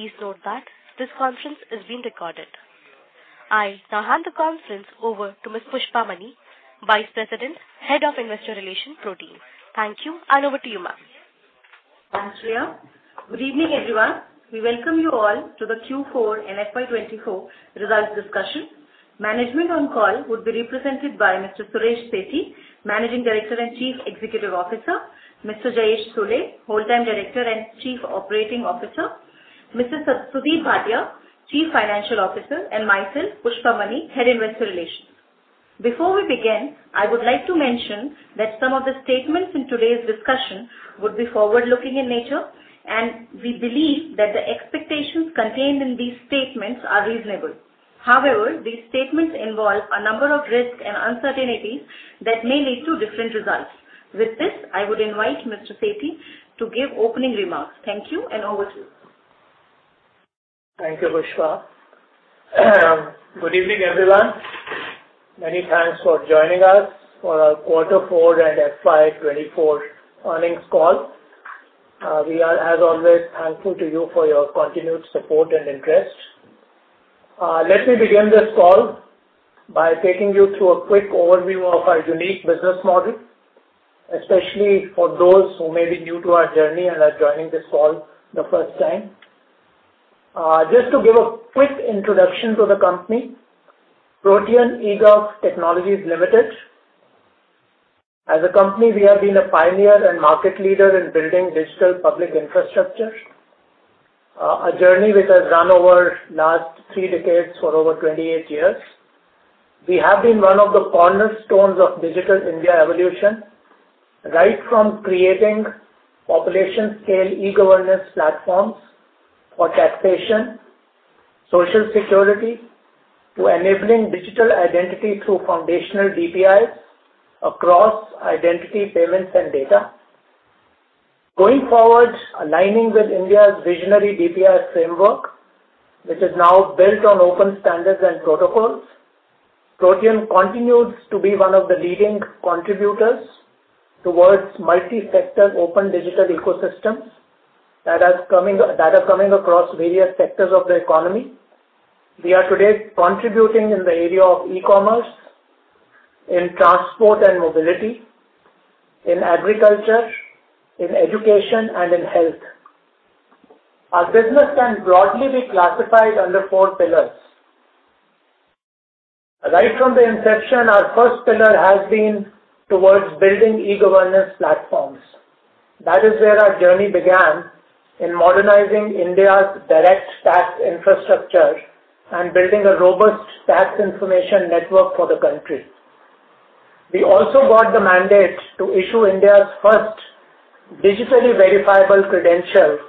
Please note that this conference is being recorded. I now hand the conference over to Ms. Pushpa Mani, Vice President, Head of Investor Relations, Protean. Thank you, and over to you, ma'am. Thanks, Shreya. Good evening, everyone. We welcome you all to the Q4 and Fiscal Year 2024 results discussion. Management on call would be represented by Mr. Suresh Sethi, Managing Director and Chief Executive Officer, Mr. Jayesh Sule, Whole-Time Director and Chief Operating Officer, Mr. Sudhir Bhatia, Chief Financial Officer, and myself, Pushpa Mani, Head Investor Relations. Before we begin, I would like to mention that some of the statements in today's discussion would be forward-looking in nature, and we believe that the expectations contained in these statements are reasonable. However, these statements involve a number of risks and uncertainties that may lead to different results. With this, I would invite Mr. Sethi to give opening remarks. Thank you, and over to you. Thank you, Pushpa. Good evening, everyone. Many thanks for joining us for our quarter four and Fiscal Year 2024 earnings call. We are, as always, thankful to you for your continued support and interest. Let me begin this call by taking you through a quick overview of our unique business model, especially for those who may be new to our journey and are joining this call the first time. Just to give a quick introduction to the company, Protean eGov Technologies Limited. As a company, we have been a pioneer and market leader in building digital public infrastructure, a journey which has run over last three decades for over 28 years. We have been one of the cornerstones of Digital India evolution, right from creating population-scale e-governance platforms for taxation, social security, to enabling digital identity through foundational DPIs across identity, payments, and data. Going forward, aligning with India's visionary DPI framework, which is now built on open standards and protocols, Protean continues to be one of the leading contributors towards multi-sector open digital ecosystems that are coming across various sectors of the economy. We are today contributing in the area of e-commerce, in transport and mobility, in agriculture, in education, and in health. Our business can broadly be classified under four pillars. Right from the inception, our first pillar has been towards building e-governance platforms. That is where our journey began in modernizing India's direct tax infrastructure and building a robust tax information network for the country. We also got the mandate to issue India's first digitally verifiable credentials,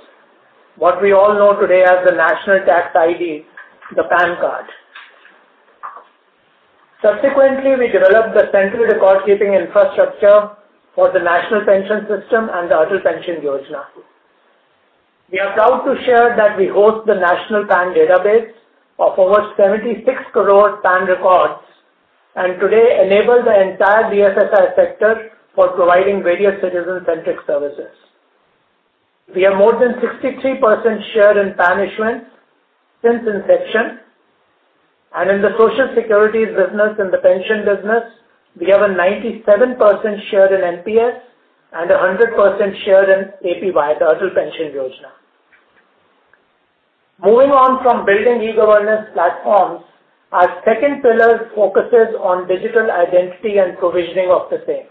what we all know today as the National Tax ID, the PAN card. Subsequently, we developed the central record-keeping infrastructure for the National Pension System and the Atal Pension Yojana. We are proud to share that we host the national PAN database of over 76 crore PAN records, and today enable the entire BFSI sector for providing various citizen-centric services. We have more than 63% share in PAN issuance since inception, and in the Social Securities business and the pension business, we have a 97% share in NPS and a 100% share in APY, Atal Pension Yojana. Moving on from building e-governance platforms, our second pillar focuses on digital identity and provisioning of the same.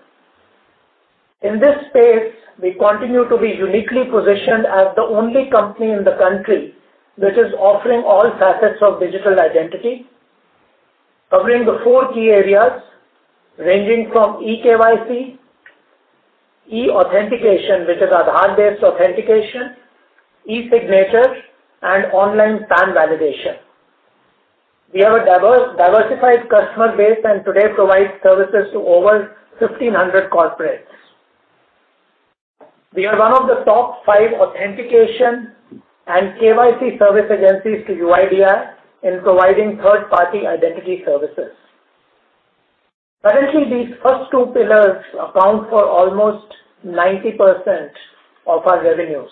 In this space, we continue to be uniquely-positioned as the only company in the country that is offering all facets of digital identity, covering the four key areas ranging from eKYC, e-authentication, which is our Aadhaar-based authentication, e-signature, and online PAN validation. We have a diversified customer base, and today provide services to over 1,500 corporates. We are one of the top five authentication and KYC service agencies to UIDAI in providing third-party identity services. Currently, these first two pillars account for almost 90% of our revenues.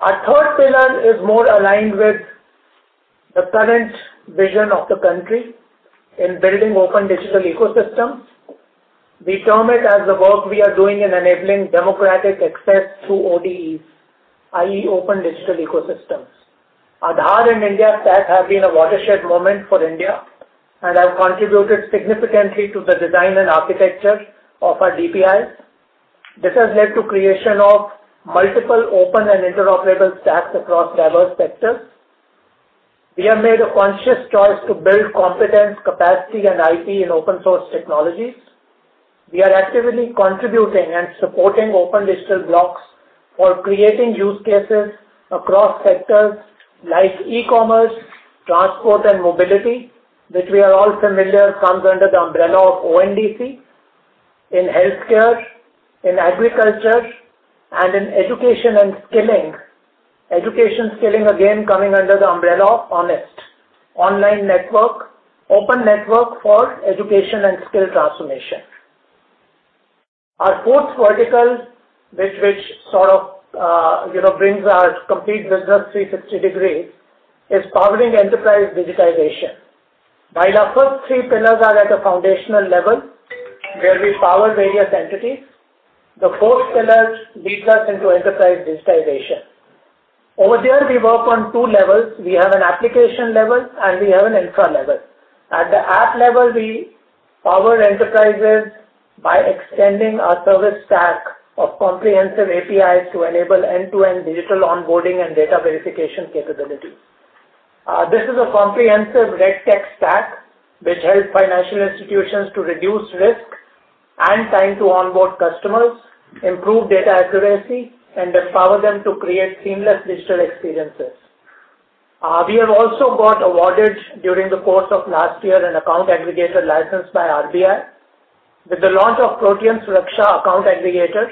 Our third pillar is more aligned with the current vision of the country in building open digital ecosystems. We term it as the work we are doing in enabling democratic access through ODEs, i.e., Open Digital Ecosystems. Aadhaar and India Stack have been a watershed moment for India and have contributed significantly to the design and architecture of our DPI. This has led to creation of multiple open and interoperable stacks across diverse sectors. We have made a conscious choice to build competence, capacity, and IP in open-source technologies. We are actively contributing and supporting open digital blocks for creating use cases across sectors like e-commerce, transport and mobility, which we are all familiar, comes under the umbrella of ONDC, in healthcare, in agriculture, and in education and skilling. Education skilling, again, coming under the umbrella of ONEST, Open Network for Education and Skill Transformation. Our fourth vertical, which sort of, you know, brings our complete business 360-degree, is powering enterprise digitization. While our first three pillars are at a foundational level, where we power various entities, the fourth pillar leads us into enterprise digitization. Over there, we work on two levels: we have an application level, and we have an infra level. At the app level, we power enterprises by extending our service stack of comprehensive APIs to enable end-to-end digital onboarding and data verification capabilities. This is a comprehensive RegTech stack, which helps financial institutions to reduce risk and time to onboard customers, improve data accuracy, and empower them to create seamless digital experiences. We have also got awarded, during the course of last year, an account aggregator license by RBI. With the launch of Protean's Raksha account aggregator,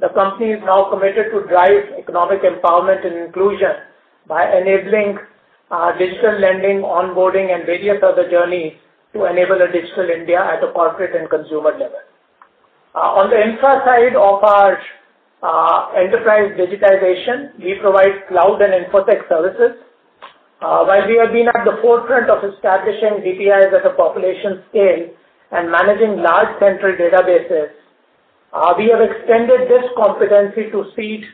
the company is now committed to drive economic empowerment and inclusion by enabling digital lending, onboarding, and various other journeys to enable a digital India at a corporate and consumer level. On the infra side of our enterprise digitization, we provide cloud and InfoTech services. While we have been at the forefront of establishing DPIs at a population scale and managing large central databases, we have extended this competency to suit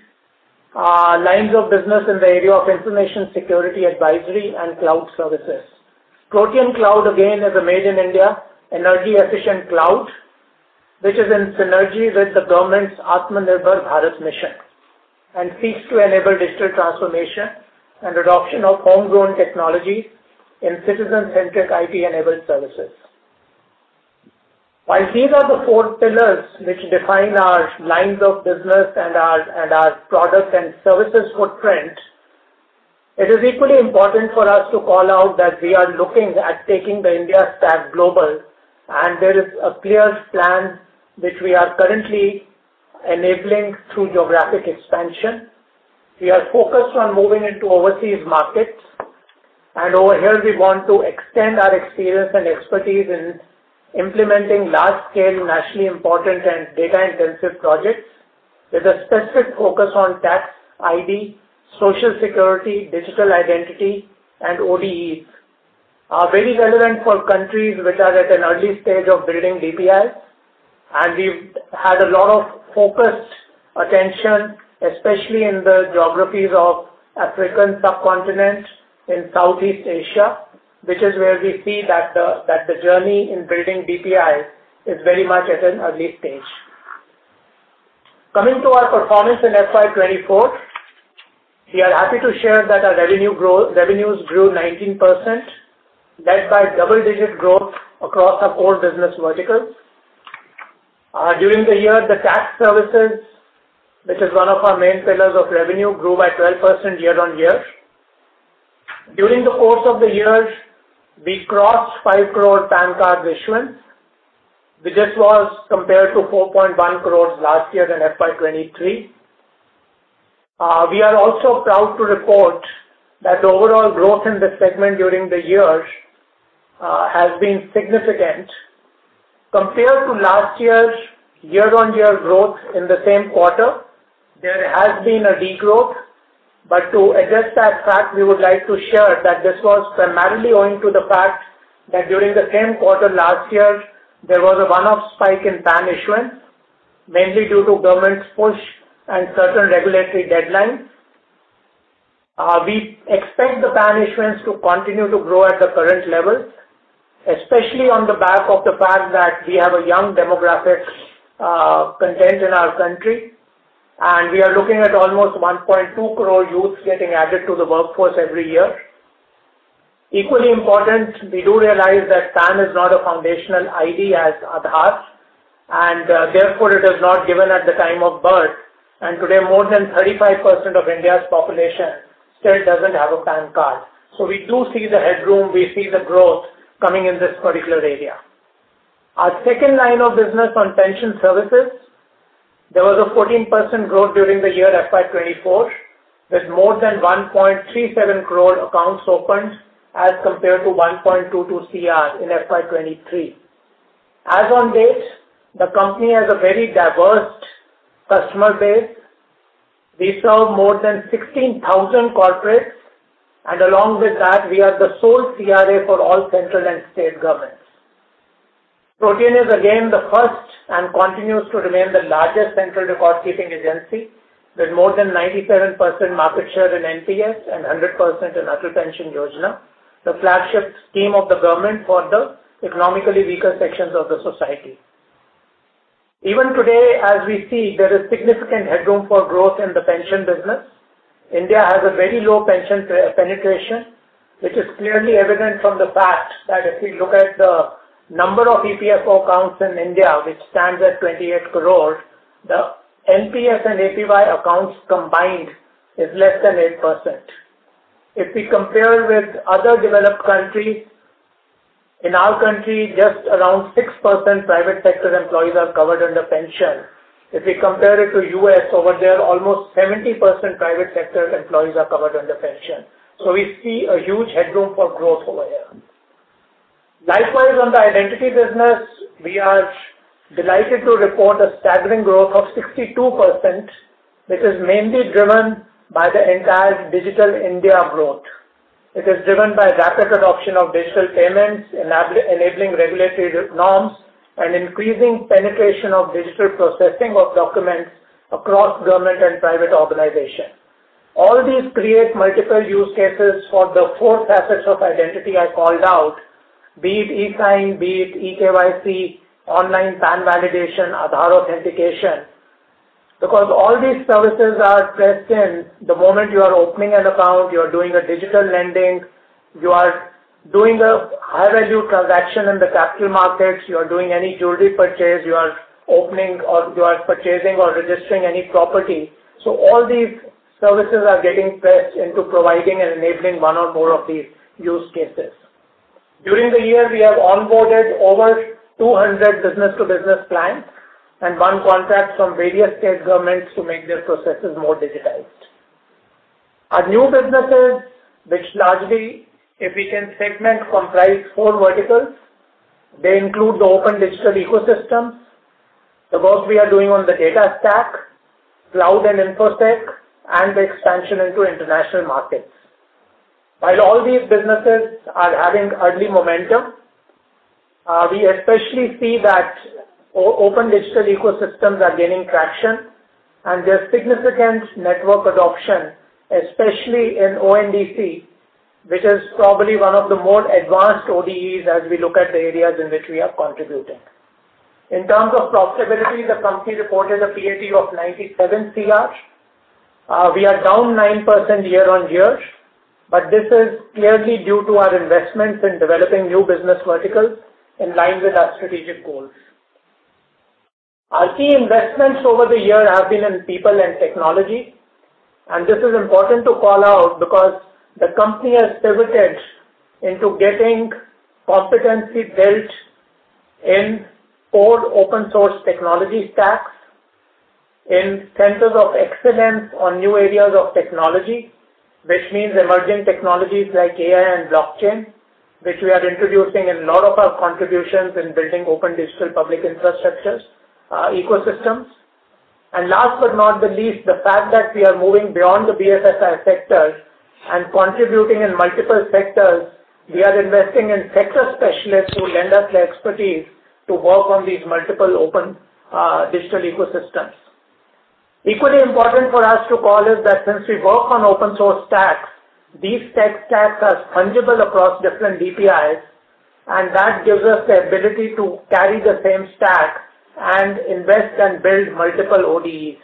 lines of business in the area of information security advisory and cloud services. Protean Cloud, again, is a made-in-India, energy-efficient cloud, which is in synergy with the government's Atmanirbhar Bharat mission, and seeks to enable digital transformation and adoption of homegrown technology in citizen-centric, IT-enabled services. While these are the four pillars which define our lines of business and our, and our product and services footprint, it is equally important for us to call out that we are looking at taking the India Stack global, and there is a clear plan which we are currently enabling through geographic expansion. We are focused on moving into overseas markets, and over here we want to extend our experience and expertise in implementing large-scale, nationally important and data-intensive projects, with a specific focus on tax, ID, social security, digital identity, and ODEs. Are very relevant for countries which are at an early stage of building DPI, and we've had a lot of focused attention, especially in the geographies of African subcontinent, in Southeast Asia, which is where we see that that the journey in building DPI is very much at an early stage. Coming to our performance in Fiscal Year 2024, we are happy to share that our revenues grew 19%, led by double-digit growth across our core business verticals. During the year, the tax services, which is one of our main pillars of revenue, grew by 12% year-on-year. During the course of the year, we crossed 5 crore PAN card issuance, which this was compared to 4.1 crores last year in Fiscal Year 2023. We are also proud to report that the overall growth in this segment during the year has been significant. Compared to last year's year-over-year growth in the same quarter, there has been a degrowth. But to address that fact, we would like to share that this was primarily owing to the fact that during the same quarter last year, there was a one-off spike in PAN issuance, mainly due to government's push and certain regulatory deadlines. We expect the PAN issuance to continue to grow at the current levels, especially on the back of the fact that we have a young demographic contingent in our country, and we are looking at almost 1.2 crore youths getting added to the workforce every year. Equally important, we do realize that PAN is not a foundational ID as Aadhaar, and therefore, it is not given at the time of birth, and today more than 35% of India's population still doesn't have a PAN card. So we do see the headroom, we see the growth coming in this particular area. Our second line of business on pension services, there was a 14% growth during the year Fiscal Year 2024, with more than 1.37 crore accounts opened, as compared to 1.22 crore in Fiscal Year 2023. As on date, the company has a very diverse customer base. We serve more than 16,000 corporates, and along with that, we are the sole CRA for all central and state governments. Protean is again the first, and continues to remain the largest central record keeping agency, with more than 97% market share in NPS and 100% in Atal Pension Yojana, the flagship scheme of the government for the economically weaker sections of the society. Even today, as we see, there is significant headroom for growth in the pension business. India has a very low pension penetration, which is clearly evident from the fact that if we look at the number of EPFO accounts in India, which stands at 28 crore, the NPS and APY accounts combined is less than 8%. If we compare with other developed countries, in our country, just around 6% private sector employees are covered under pension. If we compare it to U.S., over there, almost 70% private sector employees are covered under pension. So we see a huge headroom for growth over here. Likewise, on the identity business, we are delighted to report a staggering growth of 62%, which is mainly driven by the entire Digital India growth. It is driven by rapid adoption of digital payments, enabling regulatory norms, and increasing penetration of digital processing of documents across government and private organization. All these create multiple use cases for the four facets of identity I called out, be it e-sign, be it eKYC, online PAN validation, Aadhaar authentication. Because all these services are pressed in, the moment you are opening an account, you are doing a digital lending, you are doing a high-value transaction in the capital markets, you are doing any jewelry purchase, you are opening or you are purchasing or registering any property. So all these services are getting pressed into providing and enabling one or more of these use cases. During the year, we have onboarded over 200 business-to-business clients and won contracts from various state governments to make their processes more digitized. Our new businesses, which largely, if we can segment, comprise four verticals. They include the open digital ecosystems, the work we are doing on the data stack, cloud and InfoSec, and the expansion into international markets. While all these businesses are having early momentum, we especially see that open digital ecosystems are gaining traction and there's significant network adoption, especially in ONDC, which is probably one of the more advanced ODEs as we look at the areas in which we have contributed. In terms of profitability, the company reported a PAT of 97 crore. We are down 9% year-on-year, but this is clearly due to our investments in developing new business verticals in line with our strategic goals. Our key investments over the year have been in people and technology, and this is important to call out because the company has pivoted into getting competency built in all open source technology stacks, in centers of excellence on new areas of technology, which means emerging technologies like AI and blockchain, which we are introducing in a lot of our contributions in building open digital public infrastructures, ecosystems. And last but not the least, the fact that we are moving beyond the BFSI sectors and contributing in multiple sectors, we are investing in sector specialists who lend us their expertise to work on these multiple open, digital ecosystems. Equally important for us to call is that since we work on open source stacks, these tech stacks are fungible across different DPIs, and that gives us the ability to carry the same stack and invest and build multiple ODEs.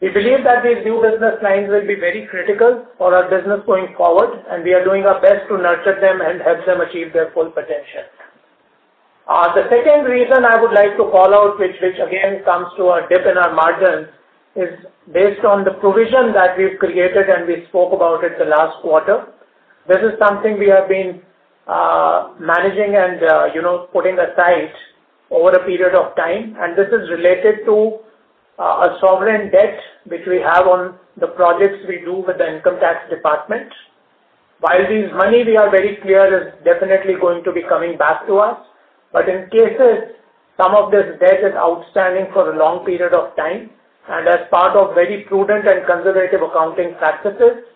We believe that these new business lines will be very critical for our business going forward, and we are doing our best to nurture them and help them achieve their full potential. The second reason I would like to call out, which, which again comes to a dip in our margin, is based on the provision that we've created and we spoke about it the last quarter. This is something we have been managing and, you know, putting aside over a period of time, and this is related to a sovereign debt which we have on the projects we do with the income tax department. While this money, we are very clear, is definitely going to be coming back to us, but in cases, some of this debt is outstanding for a long period of time, and as part of very prudent and conservative accounting practices,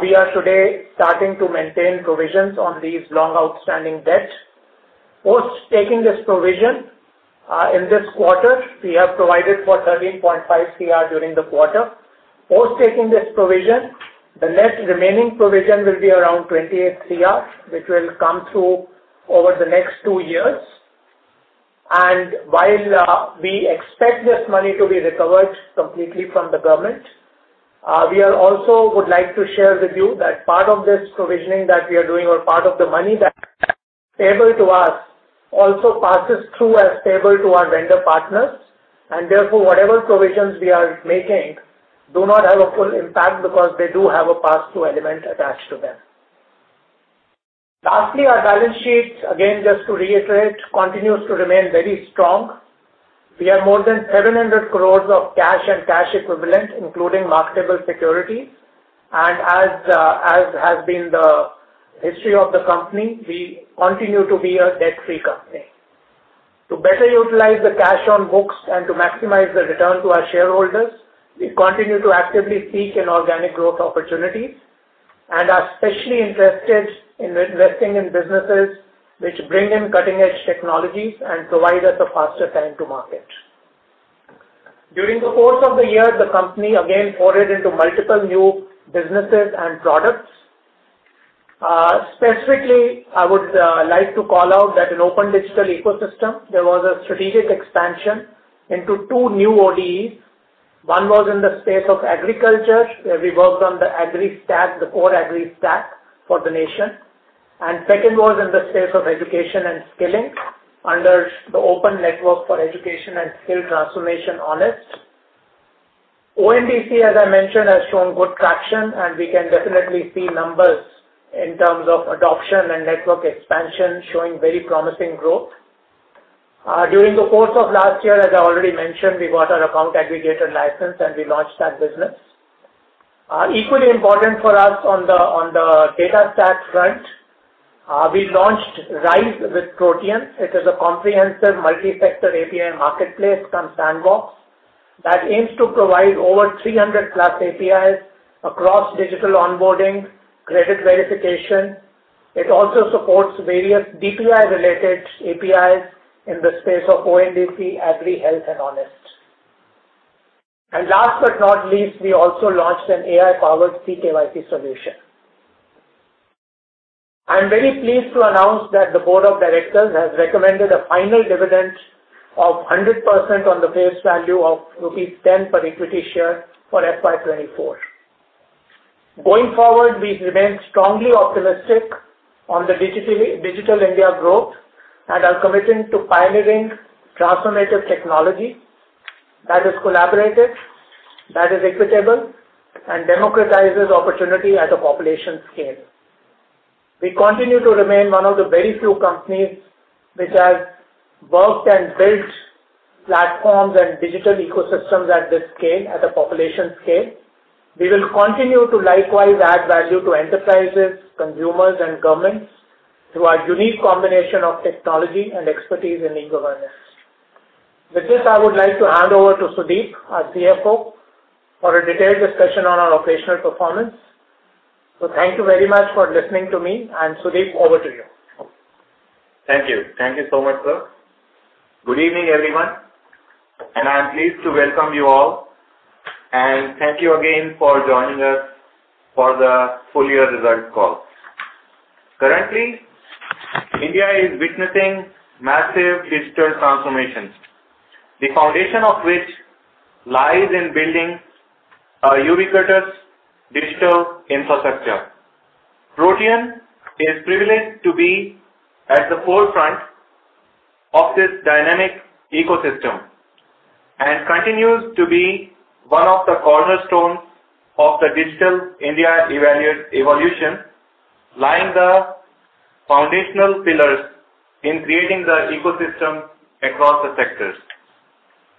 we are today starting to maintain provisions on these long outstanding debts. Post taking this provision, in this quarter, we have provided for 13.5 crore during the quarter. Post taking this provision, the net remaining provision will be around 28 crore, which will come through over the next two years. And while we expect this money to be recovered completely from the government, we are also would like to share with you that part of this provisioning that we are doing or part of the money that payable to us also passes through as payable to our vendor partners, and therefore, whatever provisions we are making do not have a full impact because they do have a pass-through element attached to them. Lastly, our balance sheet, again, just to reiterate, continues to remain very strong. We have more than 700 crore of cash and cash equivalents, including marketable securities, and as has been the history of the company, we continue to be a debt-free company. To better utilize the cash on books and to maximize the return to our shareholders, we continue to actively seek inorganic growth opportunities and are especially interested in investing in businesses which bring in cutting-edge technologies and provide us a faster time to market. During the course of the year, the company again forayed into multiple new businesses and products. Specifically, I would like to call out that in open digital ecosystem, there was a strategic expansion into two new ODEs. One was in the space of agriculture, where we worked on the Agristack, the core Agristack for the nation. And second was in the space of education and skilling under the Open Network for Education and Skill Transformation, ONEST. ONDC, as I mentioned, has shown good traction, and we can definitely see numbers in terms of adoption and network expansion showing very promising growth.... During the course of last year, as I already mentioned, we got our account aggregator license, and we launched that business. Equally important for us on the data stack front, we launched Rise with Protean. It is a comprehensive multi-sector API marketplace cum sandbox that aims to provide over 300+ APIs across digital onboarding, credit verification. It also supports various DPI-related APIs in the space of OTP, agri, health, and ONEST. And last but not least, we also launched an AI-powered eKYC solution. I'm very pleased to announce that the board of directors has recommended a final dividend of 100% on the face value of rupees 10 per equity share for Fiscal Year 2024. Going forward, we remain strongly optimistic on the Digital India growth, and are committed to pioneering transformative technology that is collaborative, that is equitable, and democratizes opportunity at a population scale. We continue to remain one of the very few companies which have worked and built platforms and digital ecosystems at this scale, at a population scale. We will continue to likewise add value to enterprises, consumers, and governments through our unique combination of technology and expertise in e-governance. With this, I would like to hand over to Sudhir, our CFO, for a detailed discussion on our operational performance. So thank you very much for listening to me, and, Sudhir, over to you. Thank you. Thank you so much, sir. Good evening, everyone, and I'm pleased to welcome you all, and thank you again for joining us for the full year results call. Currently, India is witnessing massive digital transformations, the foundation of which lies in building a ubiquitous digital infrastructure. Protean is privileged to be at the forefront of this dynamic ecosystem and continues to be one of the cornerstones of the digital India evolution, laying the foundational pillars in creating the ecosystem across the sectors.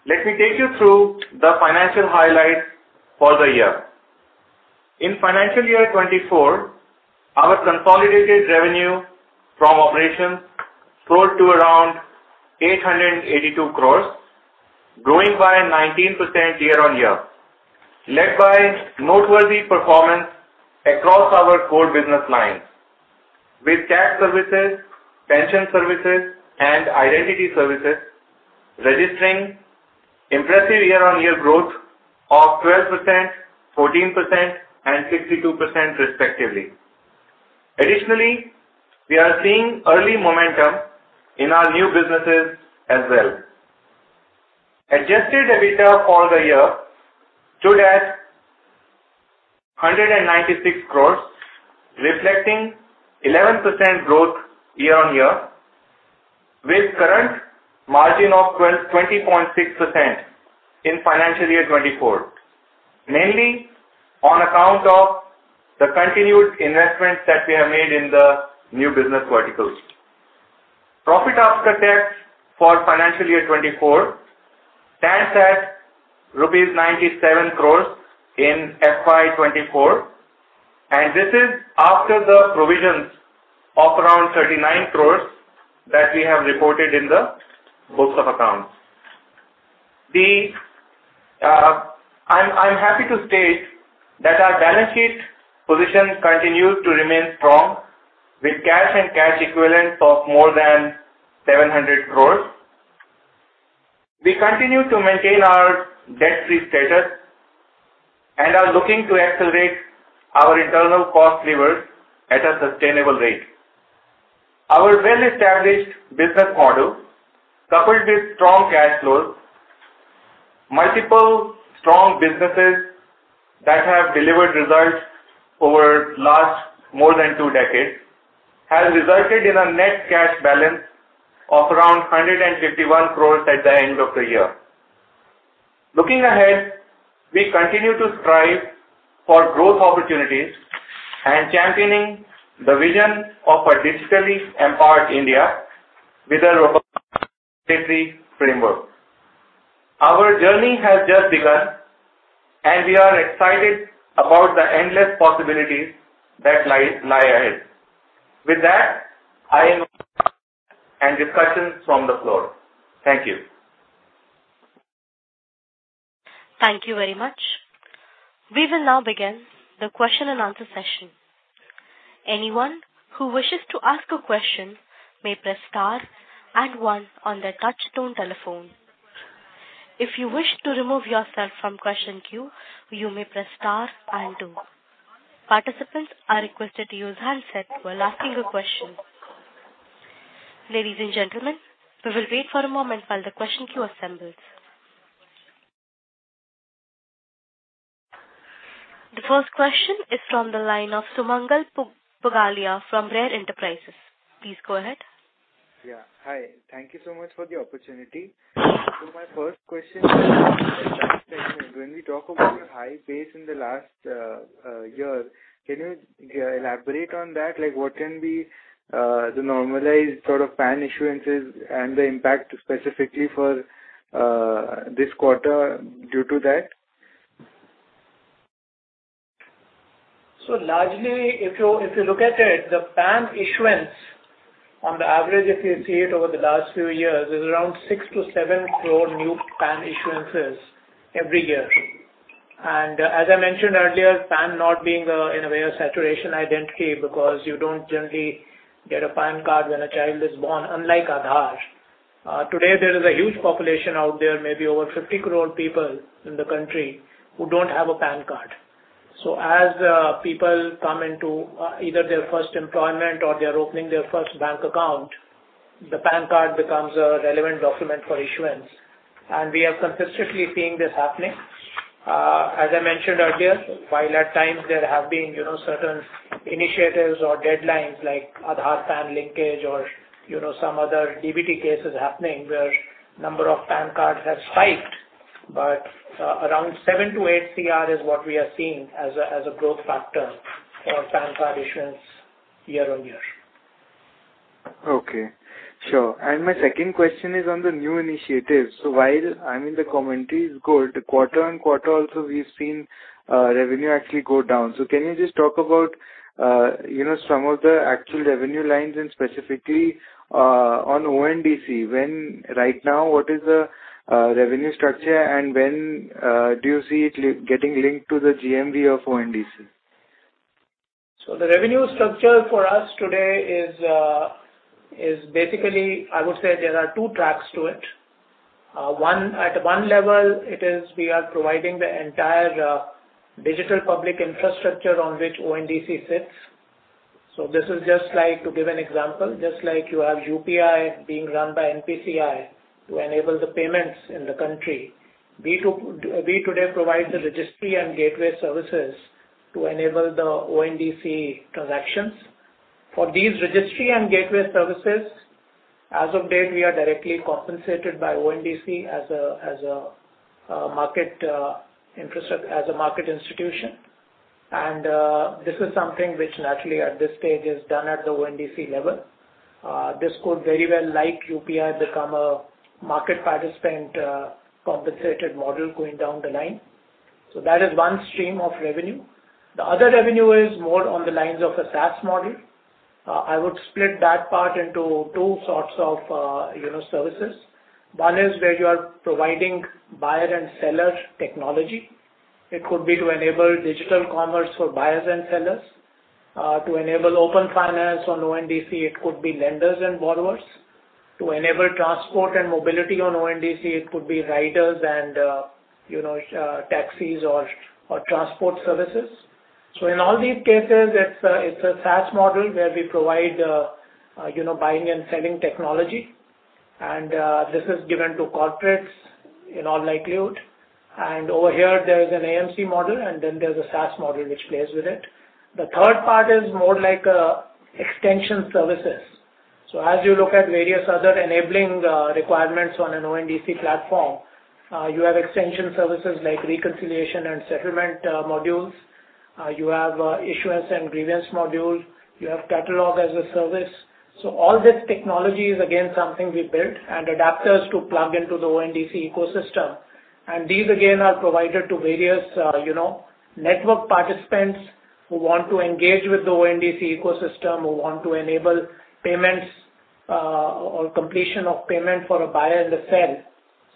Let me take you through the financial highlights for the year. In financial year 2024, our consolidated revenue from operations grew to around 882 crore, growing by 19% year-on-year, led by noteworthy performance across our core business lines, with tax services, pension services, and identity services, registering impressive year-on-year growth of 12%, 14%, and 62% respectively. Additionally, we are seeing early momentum in our new businesses as well. Adjusted EBITDA for the year stood at 196 crores, reflecting 11% growth year-on-year, with current margin of 12.6% in financial year 2024, mainly on account of the continued investments that we have made in the new business verticals. Profit after tax for financial year 2024 stands at INR 97 crores in Fiscal Year 2024, and this is after the provisions of around 39 crores that we have reported in the books of accounts. I'm happy to state that our balance sheet position continues to remain strong with cash and cash equivalents of more than 700 crores. We continue to maintain our debt-free status and are looking to accelerate our internal cost levers at a sustainable rate. Our well-established business model, coupled with strong cash flows, multiple strong businesses that have delivered results over the last more than two decades, has resulted in a net cash balance of around 151 crore at the end of the year. Looking ahead, we continue to strive for growth opportunities and championing the vision of a digitally empowered India with a regulatory framework. Our journey has just begun, and we are excited about the endless possibilities that lie ahead. With that, I am... and discussions from the floor. Thank you. Thank you very much. We will now begin the question-and-answer session. Anyone who wishes to ask a question may press star and one on their touchtone telephone. If you wish to remove yourself from question queue, you may press star and two. Participants are requested to use handset while asking a question. Ladies and gentlemen, we will wait for a moment while the question queue assembles. The first question is from the line of Sumangal Pugalia from RaRe Enterprises. Please go ahead. Yeah. Hi. Thank you so much for the opportunity. So my first question is, when we talk about the high pace in the last year, can you elaborate on that? Like, what can be the normalized sort of PAN issuances and the impact specifically for this quarter due to that? So largely, if you, if you look at it, the PAN issuance, on the average, if you see it over the last few years, is around 6-7 crore new PAN issuances every year. And as I mentioned earlier, PAN not being a, in a way, a saturation identity, because you don't generally get a PAN card when a child is born, unlike Aadhaar. Today there is a huge population out there, maybe over 50 crore people in the country, who don't have a PAN card. So as, people come into, either their first employment or they are opening their first bank account, the PAN card becomes a relevant document for issuance. And we are consistently seeing this happening. As I mentioned earlier, while at times there have been, you know, certain initiatives or deadlines, like Aadhaar-PAN linkage or, you know, some other DBT cases happening, where number of PAN cards has spiked. Around 7- 8 CR is what we are seeing as a growth factor for PAN card issuance year-on-year. Okay, sure. And my second question is on the new initiatives. So while I'm in the commentaries, quarter-over-quarter also, we've seen revenue actually go down. So can you just talk about, you know, some of the actual revenue lines and specifically on ONDC. Right now, what is the revenue structure, and when do you see it getting linked to the GMV of ONDC? So the revenue structure for us today is basically, I would say there are two tracks to it. One, at one level, it is we are providing the entire digital public infrastructure on which ONDC sits. So this is just like, to give an example, just like you have UPI being run by NPCI to enable the payments in the country, we today provide the registry and gateway services to enable the ONDC transactions. For these registry and gateway services, as of date, we are directly compensated by ONDC as a market institution. And this is something which naturally, at this stage, is done at the ONDC level. This could very well, like UPI, become a market participant compensated model going down the line. So that is one stream of revenue. The other revenue is more on the lines of a SaaS model. I would split that part into two sorts of, you know, services. One is where you are providing buyer and seller technology. It could be to enable digital commerce for buyers and sellers. To enable open finance on ONDC, it could be lenders and borrowers. To enable transport and mobility on ONDC, it could be riders and, you know, taxis or transport services. So in all these cases, it's a SaaS model where we provide, you know, buying and selling technology, and this is given to corporates in all likelihood. And over here there is an AMC model, and then there's a SaaS model which plays with it. The third part is more like an extension services. So as you look at various other enabling requirements on an ONDC platform, you have extension services like reconciliation and settlement modules. You have issuance and grievance module. You have catalog as a service. So all this technology is again something we built and adapters to plug into the ONDC ecosystem. And these, again, are provided to various, you know, network participants who want to engage with the ONDC ecosystem, who want to enable payments or completion of payment for a buyer and a seller.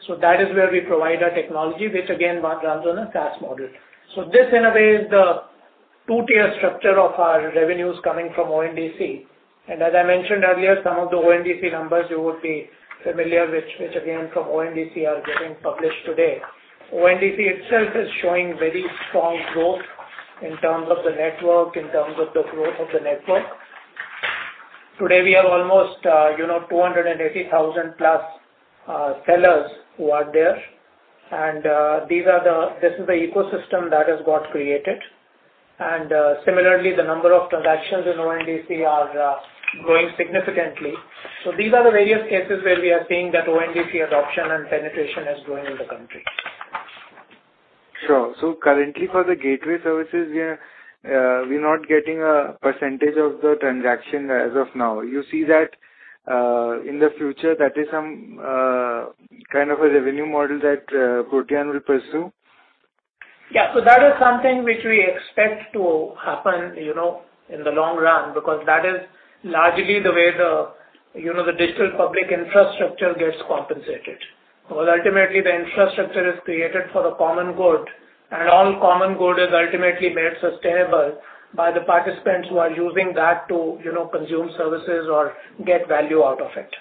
So that is where we provide our technology, which again runs on a SaaS model. So this, in a way, is the two-tier structure of our revenues coming from ONDC. And as I mentioned earlier, some of the ONDC numbers you would be familiar with, which again from ONDC are getting published today. ONDC itself is showing very strong growth in terms of the network, in terms of the growth of the network. Today, we have almost, you know, 280,000+ sellers who are there, and these are the- this is the ecosystem that has got created. Similarly, the number of transactions in ONDC are growing significantly. So these are the various cases where we are seeing that ONDC adoption and penetration is growing in the country. Sure. So currently for the gateway services, we are, we're not getting a percentage of the transaction as of now. You see that, in the future, that is some kind of a revenue model that Protean will pursue? Yeah. So that is something which we expect to happen, you know, in the long run, because that is largely the way the, you know, the digital public infrastructure gets compensated. Well, ultimately, the infrastructure is created for the common good, and all common good is ultimately made sustainable by the participants who are using that to, you know, consume services or get value out of it.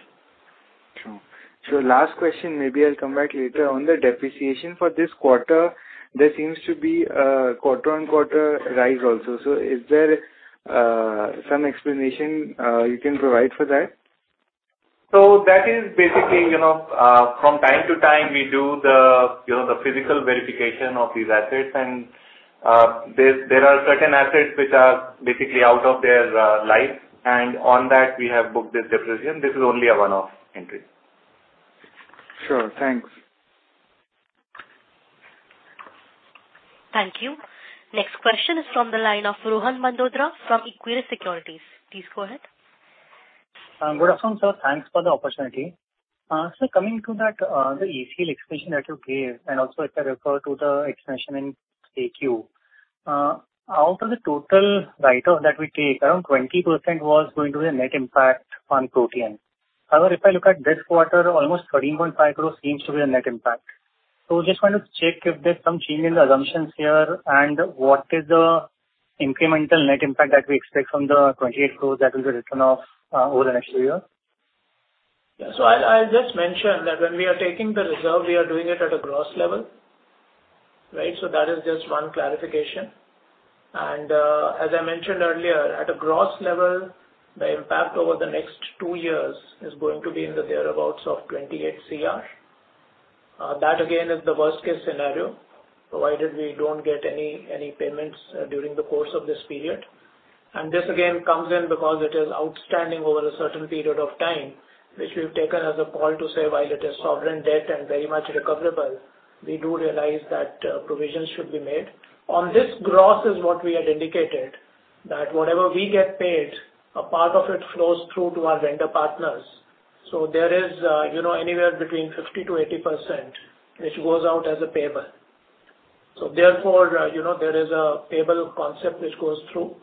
Sure. So last question, maybe I'll come back later. On the depreciation for this quarter, there seems to be a quarter-on-quarter rise also. So is there some explanation you can provide for that? That is basically, you know, from time to time, we do the, you know, the physical verification of these assets, and there are certain assets which are basically out of their life, and on that, we have booked this depreciation. This is only a one-off entry. Sure. Thanks. Thank you. Next question is from the line of Rohan Mandora from Equirus Securities. Please go ahead. Good afternoon, sir. Thanks for the opportunity. So coming to that, the easy explanation that you gave, and also if I refer to the explanation in AQ. Out of the total write-off that we take, around 20% was going to be a net impact on Protean. However, if I look at this quarter, almost 13.5 crores seems to be a net impact. So just wanted to check if there's some change in the assumptions here, and what is the incremental net impact that we expect from the 28 crores that will be written off, over the next two year? Yeah. So I, I'll just mention that when we are taking the reserve, we are doing it at a gross level, right? So that is just one clarification. And, as I mentioned earlier, at a gross level, the impact over the next two years is going to be in the thereabouts of 28 crore. That again, is the worst case scenario, provided we don't get any payments during the course of this period. And this again comes in because it is outstanding over a certain period of time, which we've taken as a call to say while it is sovereign debt and very much recoverable, we do realize that provisions should be made. On this gross is what we had indicated, that whatever we get paid, a part of it flows through to our vendor partners. So there is, you know, anywhere between 50%-80%, which goes out as a payable. So therefore, you know, there is a payable concept which goes through.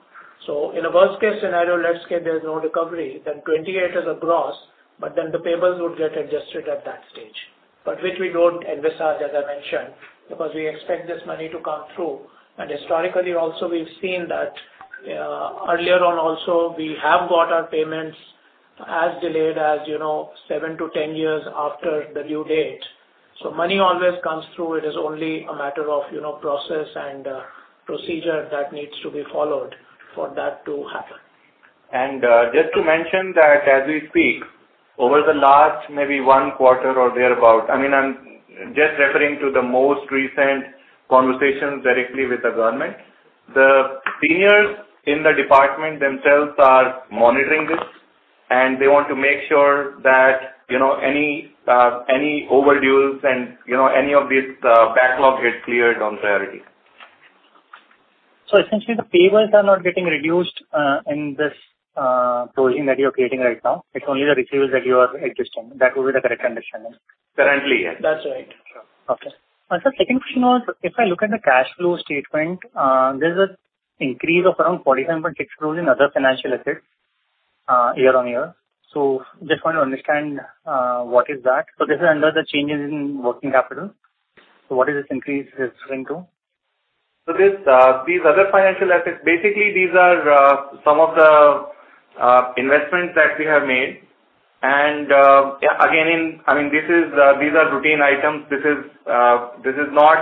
So in a worst case scenario, let's say there's no recovery, then 28 is a gross, but then the payables would get adjusted at that stage, but which we don't envisage, as I mentioned, because we expect this money to come through. And historically also, we've seen that, earlier on also, we have got our payments as delayed as, you know, 7-10 years after the due date. So money always comes through. It is only a matter of, you know, process and, procedure that needs to be followed for that to happen. Just to mention that as we speak, over the last maybe one quarter or thereabout, I mean, I'm just referring to the most recent conversations directly with the government. The seniors in the department themselves are monitoring this, and they want to make sure that, you know, any any overdues and, you know, any of these backlog get cleared on priority. So essentially, the payables are not getting reduced in this closing that you're creating right now? It's only the receivables that you are adjusting. That would be the correct understanding. Currently, yes. That's right. Okay. Sir, second question was, if I look at the cash flow statement, there's an increase of around 47.6 crores in other financial assets, year-on-year. So just want to understand, what is that? So this is under the changes in working capital. So what is this increase referring to? So these other financial assets, basically these are some of the investments that we have made. And yeah, again, in... I mean, this is, these are routine items. This is not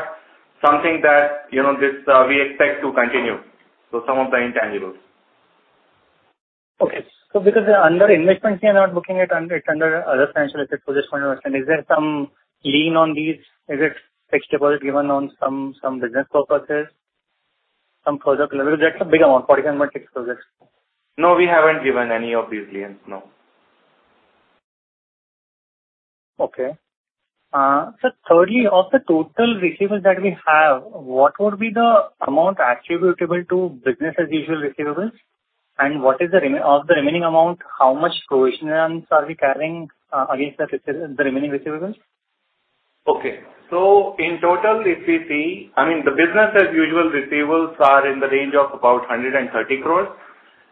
something that, you know, we expect to continue, so some of the intangibles. Okay. So because under investments, you're not looking at under, it's under other financial assets. So just want to understand, is there some lien on these? Is it fixed deposit given on some, some business purposes, some project level? That's a big amount, 47.6 crore. No, we haven't given any of these liens. No. Okay. So thirdly, of the total receivables that we have, what would be the amount attributable to business as usual receivables? And what is the remainder of the remaining amount, how much provisions are we carrying against the remaining receivables? Okay. So in total, if we see, I mean, the business as usual receivables are in the range of about 130 crore.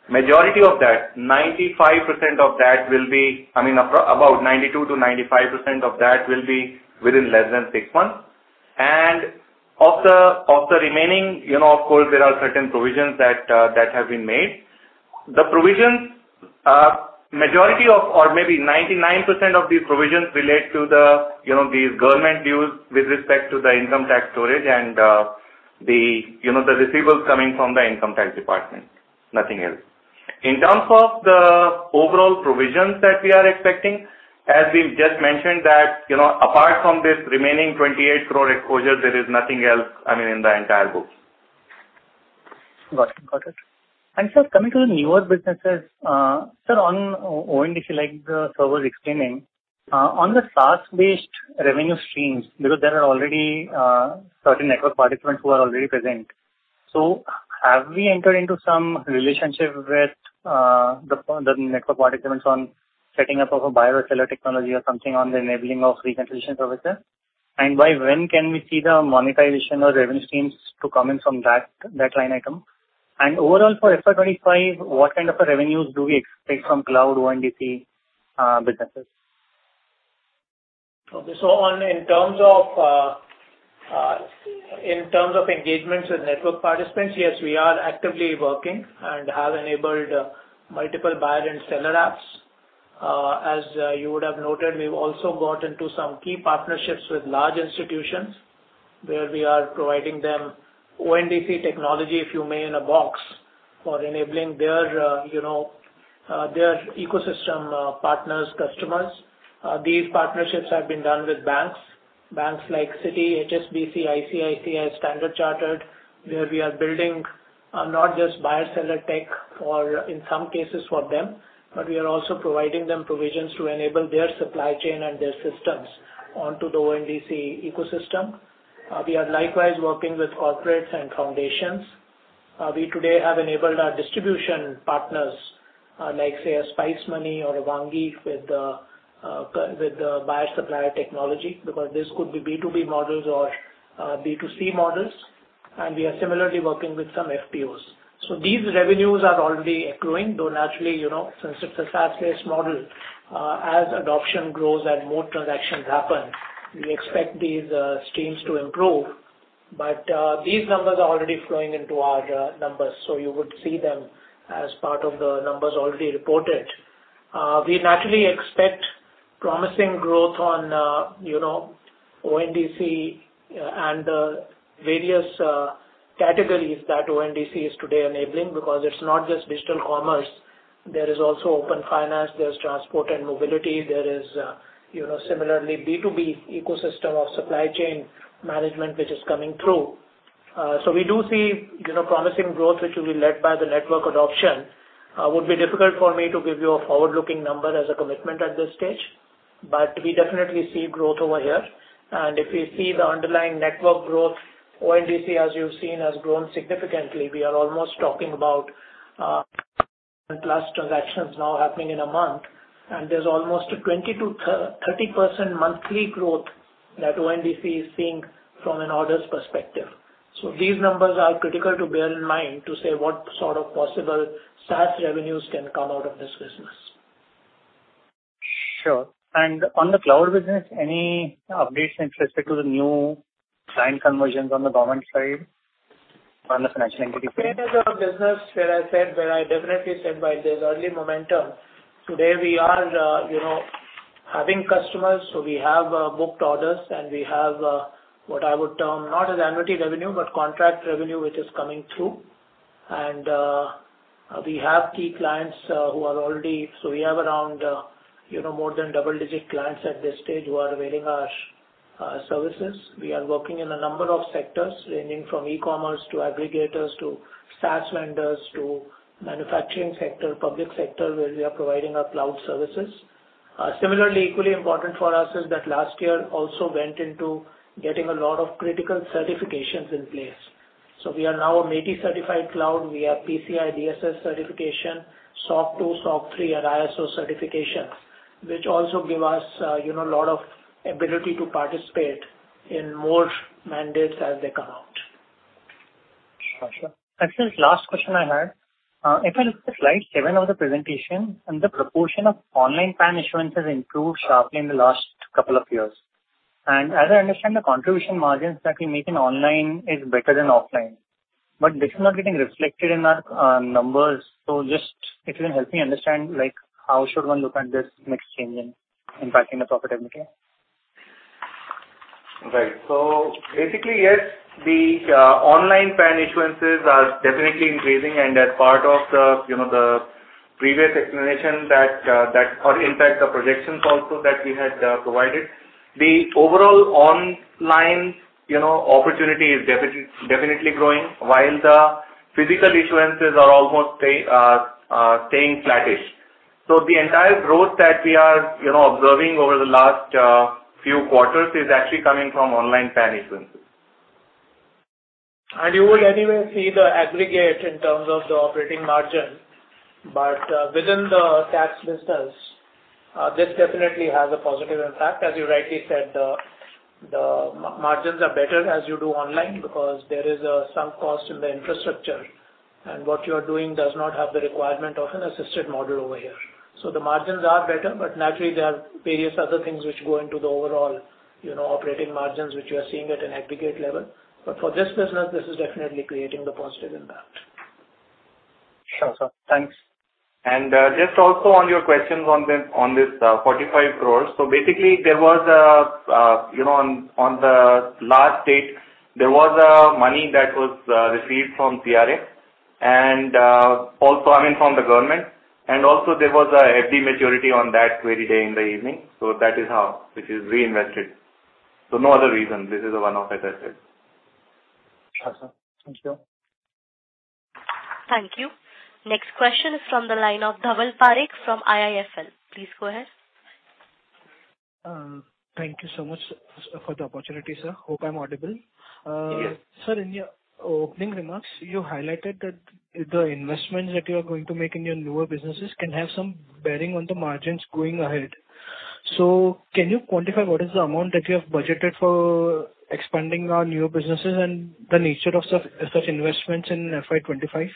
Majority of that, 95% of that will be, I mean, about 92%-95% of that will be within less than six months. And of the remaining, you know, of course, there are certain provisions that have been made. The provisions, majority of or maybe 99% of these provisions relate to the, you know, these government dues with respect to the income tax statute and the receivables coming from the income tax department, nothing else. In terms of the overall provisions that we are expecting, as we've just mentioned that, you know, apart from this remaining 28 crore exposures, there is nothing else, I mean, in the entire book. Got it, got it. And sir, coming to the newer businesses, sir, on ONDC, like sir was explaining, on the SaaS-based revenue streams, because there are already, certain network participants who are already present. So have we entered into some relationship with, the, the network participants on setting up of a buyer or seller technology or something on the enabling of reconciliation services? And by when can we see the monetization or revenue streams to come in from that, that line item? And overall, for Fiscal Year 25, what kind of a revenues do we expect from cloud ONDC, businesses? Okay. So in terms of engagements with network participants, yes, we are actively working and have enabled multiple buyer and seller apps. As you would have noted, we've also got into some key partnerships with large institutions, where we are providing them ONDC technology, if you may, in a box for enabling their, you know, their ecosystem partners, customers. These partnerships have been done with banks. Banks like Citi, HSBC, ICICI, Standard Chartered, where we are building not just buyer-seller tech for, in some cases for them, but we are also providing them provisions to enable their supply chain and their systems onto the ONDC ecosystem. We are likewise working with corporates and foundations. We today have enabled our distribution partners, like, say, a Spice Money or a Vakrangee with the buyer-supplier technology, because this could be B2B models or B2C models, and we are similarly working with some FPOs. So these revenues are already accruing, though naturally, you know, since it's a SaaS-based model, as adoption grows and more transactions happen, we expect these streams to improve. But these numbers are already flowing into our numbers, so you would see them as part of the numbers already reported. We naturally expect promising growth on, you know, ONDC and the various categories that ONDC is today enabling, because it's not just digital commerce. There is also open finance, there's transport and mobility, there is, you know, similarly, B2B ecosystem of supply chain management, which is coming through. So we do see, you know, promising growth, which will be led by the network adoption. Would be difficult for me to give you a forward-looking number as a commitment at this stage, but we definitely see growth over here. And if we see the underlying network growth, ONDC, as you've seen, has grown significantly. We are almost talking about plus transactions now happening in a month, and there's almost a 20%-30% monthly growth that ONDC is seeing from an orders perspective. So these numbers are critical to bear in mind, to say what sort of possible SaaS revenues can come out of this business. Sure. On the cloud business, any updates with respect to the new client conversions on the government side, on the financial entity? Business, where I said, where I definitely said, right, there's early momentum. Today, we are, you know, having customers, so we have, booked orders, and we have, what I would term, not as annuity revenue, but contract revenue, which is coming through. And, we have key clients, who are already... So we have around, you know, more than double-digit clients at this stage who are availing our, services. We are working in a number of sectors, ranging from e-commerce to aggregators to SaaS vendors to manufacturing sector, public sector, where we are providing our cloud services. Similarly, equally important for us is that last year also went into getting a lot of critical certifications in place. So we are now a MeitY certified cloud. We have PCI DSS certification, SOC 2, SOC 3, and ISO certifications, which also give us, you know, a lot of ability to participate in more mandates as they come out. Gotcha. Actually, last question I had, if I look at Slide 7 of the presentation, and the proportion of online PAN issuance has improved sharply in the last couple of years. As I understand, the contribution margins that we make in online is better than offline, but this is not getting reflected in our numbers. Just if you can help me understand, like, how should one look at this mix change in impacting the profitability? Right. So basically, yes, the online PAN issuances are definitely increasing, and as part of the, you know, the previous explanation that that or impact the projections also that we had provided. The overall online, you know, opportunity is definitely growing, while the physical issuances are almost staying flattish. So the entire growth that we are, you know, observing over the last few quarters is actually coming from online PAN issuances. You would anyway see the aggregate in terms of the operating margin, but, within the tax business, this definitely has a positive impact. As you rightly said, the margins are better as you do online, because there is some cost in the infrastructure, and what you are doing does not have the requirement of an assisted model over here. So the margins are better, but naturally, there are various other things which go into the overall, you know, operating margins, which you are seeing at an aggregate level. But for this business, this is definitely creating the positive impact. Sure, sir. Thanks. And, just also on your questions on this, on this, 45 crores. So basically, there was a, you know, on, on the last date, there was, money that was, received from CRA and, also, I mean, from the government, and also there was a FD maturity on that very day in the evening. So that is how, which is reinvested. So no other reason, this is a one-off, as I said. Gotcha. Thank you. Thank you. Next question is from the line of Dhaval Parekh from IIFL. Please go ahead. Thank you so much for the opportunity, sir. Hope I'm audible. Yes. Sir, in your opening remarks, you highlighted that the investments that you are going to make in your newer businesses can have some bearing on the margins going ahead. So can you quantify what is the amount that you have budgeted for expanding on newer businesses and the nature of such investments in Fiscal Year 25?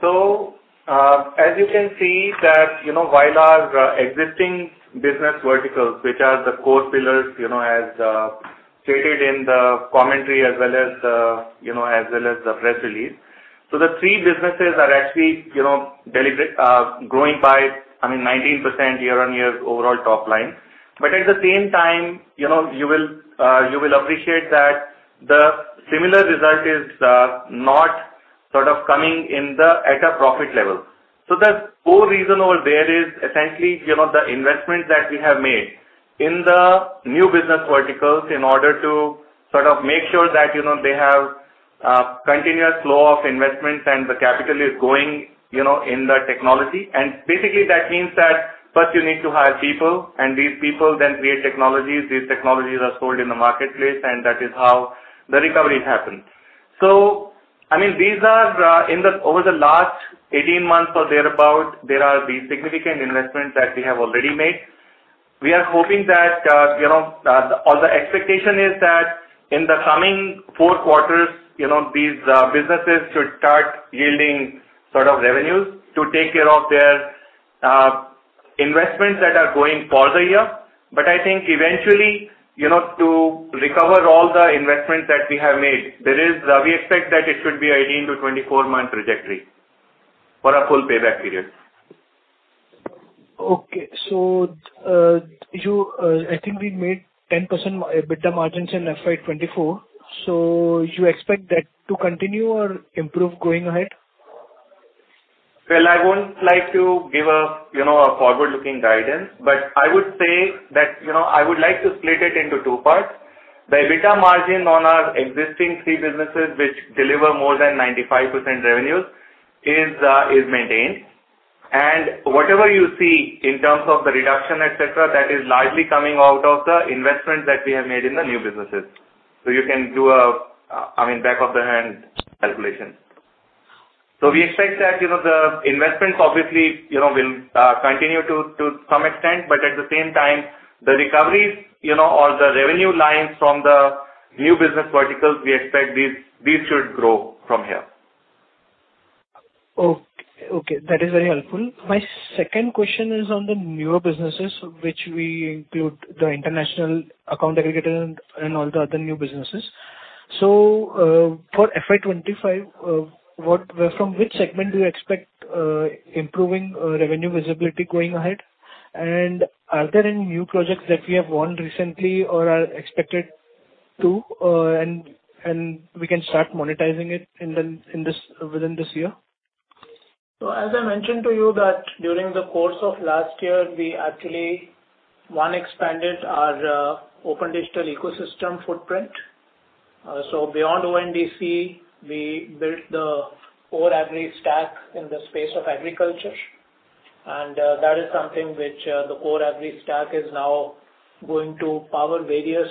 So, as you can see that, you know, while our existing business verticals, which are the core pillars, you know, as stated in the commentary as well as, you know, as well as the press release. So the three businesses are actually, you know, deliver growing by, I mean, 19% year-on-year overall top line. But at the same time, you know, you will appreciate that the similar result is not sort of coming in at a profit level. So the whole reason over there is essentially, you know, the investment that we have made in the new business verticals in order to sort of make sure that, you know, they have continuous flow of investments and the capital is going, you know, in the technology. Basically, that means that first you need to hire people, and these people then create technologies. These technologies are sold in the marketplace, and that is how the recovery happens. So, I mean, these are, in the over the last 18 months or thereabout, there are these significant investments that we have already made. We are hoping that, you know, or the expectation is that in the coming 4 quarters, you know, these, businesses should start yielding sort of revenues to take care of their, investments that are going further here. But I think eventually, you know, to recover all the investments that we have made, there is, we expect that it should be 18-24 months trajectory for a full payback period. Okay. So, I think we made 10% EBITDA margins in Fiscal Year 2024. So you expect that to continue or improve going ahead? Well, I wouldn't like to give a, you know, a forward-looking guidance, but I would say that, you know, I would like to split it into two parts. The EBITDA margin on our existing three businesses, which deliver more than 95% revenues, is maintained. And whatever you see in terms of the reduction, et cetera, that is largely coming out of the investments that we have made in the new businesses. So you can do a, I mean, back of the hand calculation. So we expect that, you know, the investments, obviously, you know, will continue to some extent, but at the same time, the recoveries, you know, or the revenue lines from the new business verticals, we expect these, these should grow from here. Okay, that is very helpful. My second question is on the newer businesses, which we include the international account aggregator and all the other new businesses. So, for Fiscal Year 2025, what from which segment do you expect improving revenue visibility going ahead? And are there any new projects that we have won recently or are expected to and we can start monetizing it within this year? So as I mentioned to you that during the course of last year, we actually, one, expanded our open digital ecosystem footprint. So beyond ONDC, we built the Agristack in the space of agriculture. And that is something which the Agristack is now going to power various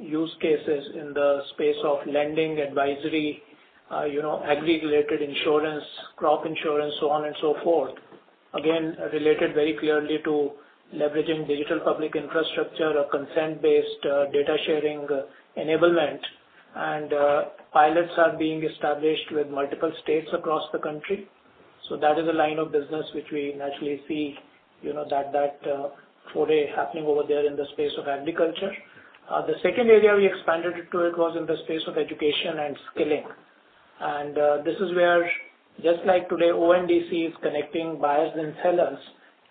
use cases in the space of lending, advisory, you know, agri-related insurance, crop insurance, so on and so forth. Again, related very clearly to leveraging digital public infrastructure or consent-based data sharing enablement, and pilots are being established with multiple states across the country. So that is a line of business which we naturally see, you know, that foray happening over there in the space of agriculture. The second area we expanded it to it was in the space of education and skilling. This is where, just like today, ONDC is connecting buyers and sellers.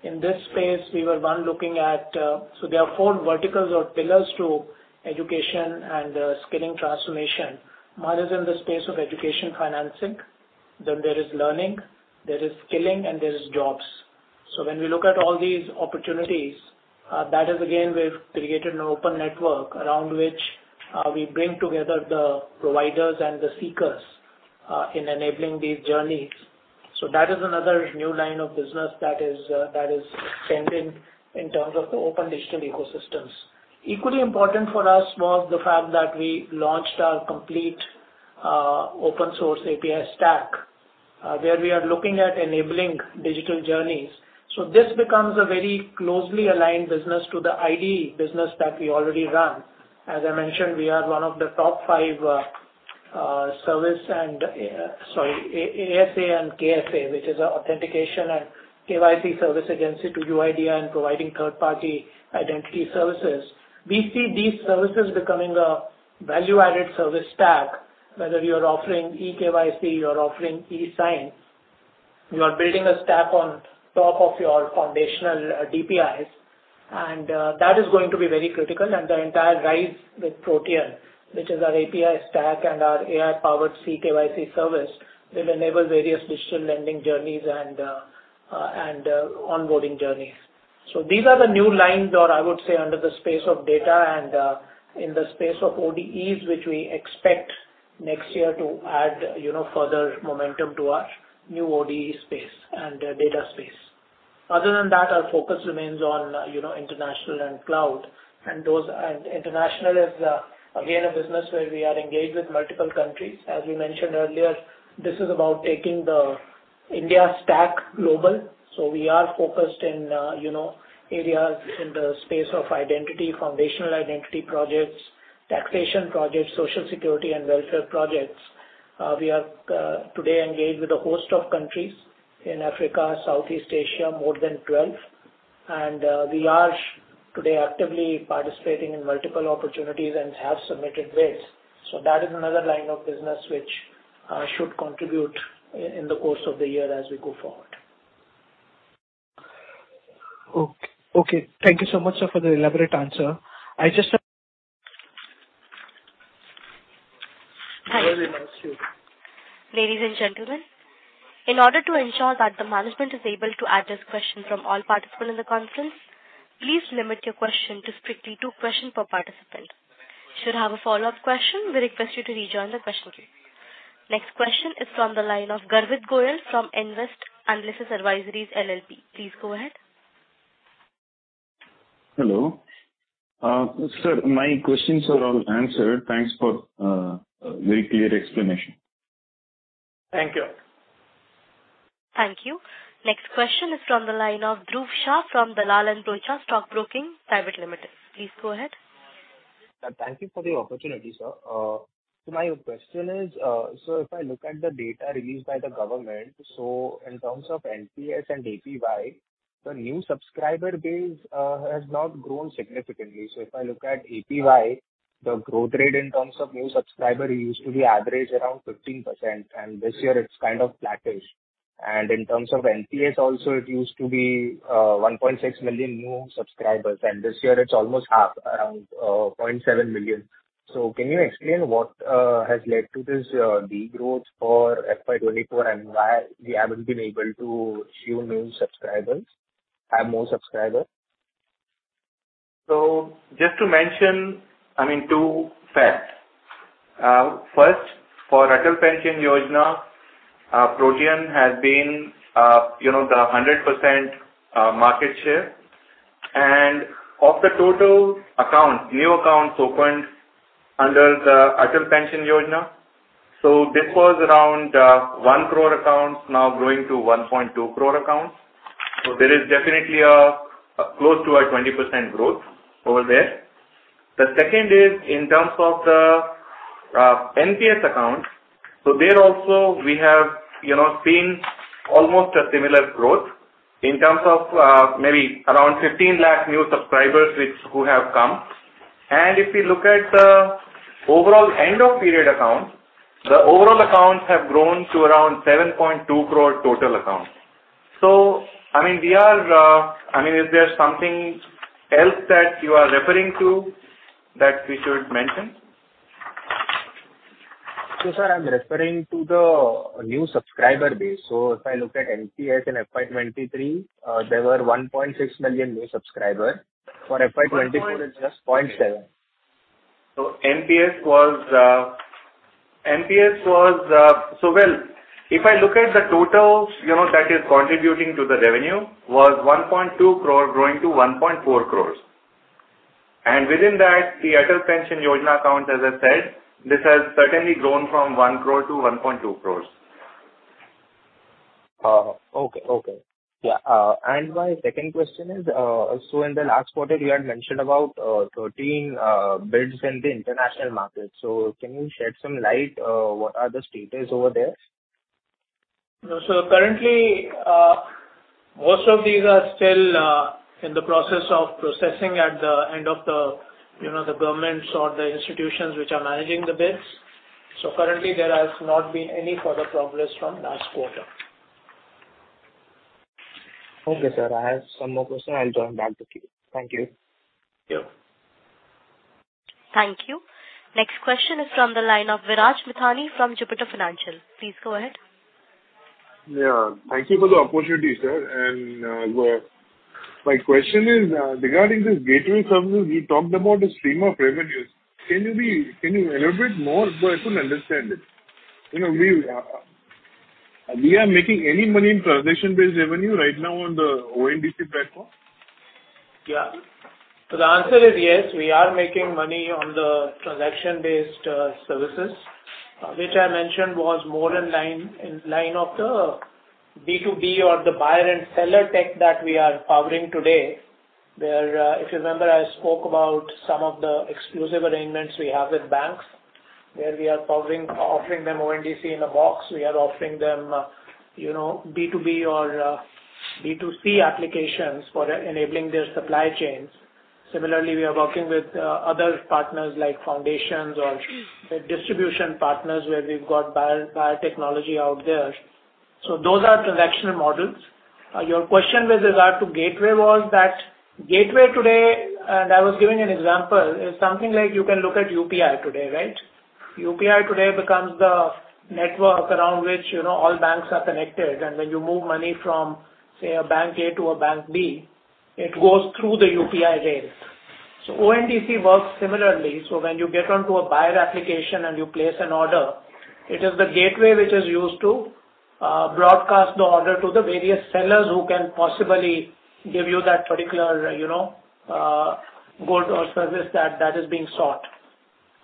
In this space, So there are four verticals or pillars to education and skilling transformation. One is in the space of education financing, then there is learning, there is skilling, and there is jobs. So when we look at all these opportunities, that is, again, we've created an open network around which, we bring together the providers and the seekers, in enabling these journeys. So that is another new line of business that is, that is trending in terms of the open digital ecosystems. Equally important for us was the fact that we launched our complete, open source API stack, where we are looking at enabling digital journeys. So this becomes a very closely aligned business to the ID business that we already run. As I mentioned, we are one of the top five service and, sorry, ASA and KSA, which is our authentication and KYC service agency to UIDAI and providing third-party identity services. We see these services becoming a value-added service stack, whether you are offering eKYC, you are offering e-sign. You are building a stack on top of your foundational DPIs, and that is going to be very critical. And the entire Rise with Protean, which is our API stack and our AI-powered eKYC service, will enable various digital lending journeys and onboarding journeys. So these are the new lines, or I would say, under the space of data and in the space of ODEs, which we expect next year to add, you know, further momentum to our new ODE space and data space. Other than that, our focus remains on, you know, international and cloud, and those. International is, again, a business where we are engaged with multiple countries. As we mentioned earlier, this is about taking the India Stack global. So we are focused in, you know, areas in the space of identity, foundational identity projects, taxation projects, social security, and welfare projects. We are today engaged with a host of countries in Africa, Southeast Asia, more than 12... and we are today actively participating in multiple opportunities and have submitted bids. That is another line of business which should contribute in the course of the year as we go forward. Okay. Thank you so much, sir, for the elaborate answer. I just- Hi. Ladies and gentlemen, in order to ensure that the management is able to address questions from all participants in the conference, please limit your question to strictly two questions per participant. Should have a follow-up question, we request you to rejoin the question queue. Next question is from the line of Garvit Goel from Invest Analysis Advisory LLP. Please go ahead. Hello. Sir, my questions are all answered. Thanks for a very clear explanation. Thank you. Thank you. Next question is from the line of Dhruv Shah from Dalal & Broacha Stockbroking Private Limited. Please go ahead. Thank you for the opportunity, sir. So my question is, so if I look at the data released by the government, so in terms of NPS and APY, the new subscriber base has not grown significantly. So if I look at APY, the growth rate in terms of new subscriber used to be average around 15%, and this year it's kind of flattish. And in terms of NPS also, it used to be one point six million new subscribers, and this year it's almost half, around point 7 million. So can you explain what has led to this degrowth for Fiscal Year 2024, and why we haven't been able to show new subscribers, add more subscribers? So just to mention, I mean, two facts. First, for Atal Pension Yojana, Protean has been, you know, the 100% market share. And of the total account, new accounts opened under the Atal Pension Yojana, so this was around 1 crore accounts, now growing to 1.2 crore accounts. So there is definitely a close to a 20% growth over there. The second is in terms of the NPS accounts. So there also, we have, you know, seen almost a similar growth in terms of, maybe around 15 lakh new subscribers which, who have come. And if you look at the overall end of period accounts, the overall accounts have grown to around 7.2 crore total accounts. So I mean, we are... I mean, is there something else that you are referring to that we should mention? So sir, I'm referring to the new subscriber base. So if I look at NPS in Fiscal Year 2023, there were 1.6 million new subscribers. For Fiscal Year 2024, it's just 0.7. So NPS was. So well, if I look at the total, you know, that is contributing to the revenue, was 1.2 crore growing to 1.4 crores. And within that, the Atal Pension Yojana account, as I said, this has certainly grown from 1 crore-1.2 crores. Okay, okay. Yeah, and my second question is, so in the last quarter, you had mentioned about 13 bids in the international market. So can you shed some light, what are the status over there? So currently, most of these are still in the process of processing at the end of the, you know, the governments or the institutions which are managing the bids. So currently, there has not been any further progress from last quarter. Okay, sir, I have some more questions. I'll join back to you. Thank you. Yeah. Thank you. Next question is from the line of Viraj Mithani from Jupiter Financial. Please go ahead. Yeah, thank you for the opportunity, sir. And, my question is regarding this gateway service. You talked about the stream of revenues. Can you elaborate more? So I couldn't understand it. You know, we are making any money in transaction-based revenue right now on the ONDC platform? Yeah. So the answer is yes, we are making money on the transaction-based services, which I mentioned was more in line, in line of the B2B or the buyer and seller tech that we are powering today. Where, if you remember, I spoke about some of the exclusive arrangements we have with banks, where we are powering, offering them ONDC in a box. We are offering them, you know, B2B or B2C applications for enabling their supply chains. Similarly, we are working with other partners like foundations or the distribution partners, where we've got buyer, buyer technology out there. So those are transactional models. Your question with regard to gateway was that, gateway today, and I was giving an example, is something like you can look at UPI today, right? UPI today becomes the network around which, you know, all banks are connected. And when you move money from, say, a bank A to a bank B, it goes through the UPI rail. So ONDC works similarly. So when you get onto a buyer application and you place an order, it is the gateway which is used to broadcast the order to the various sellers who can possibly give you that particular, you know, good or service that is being sought.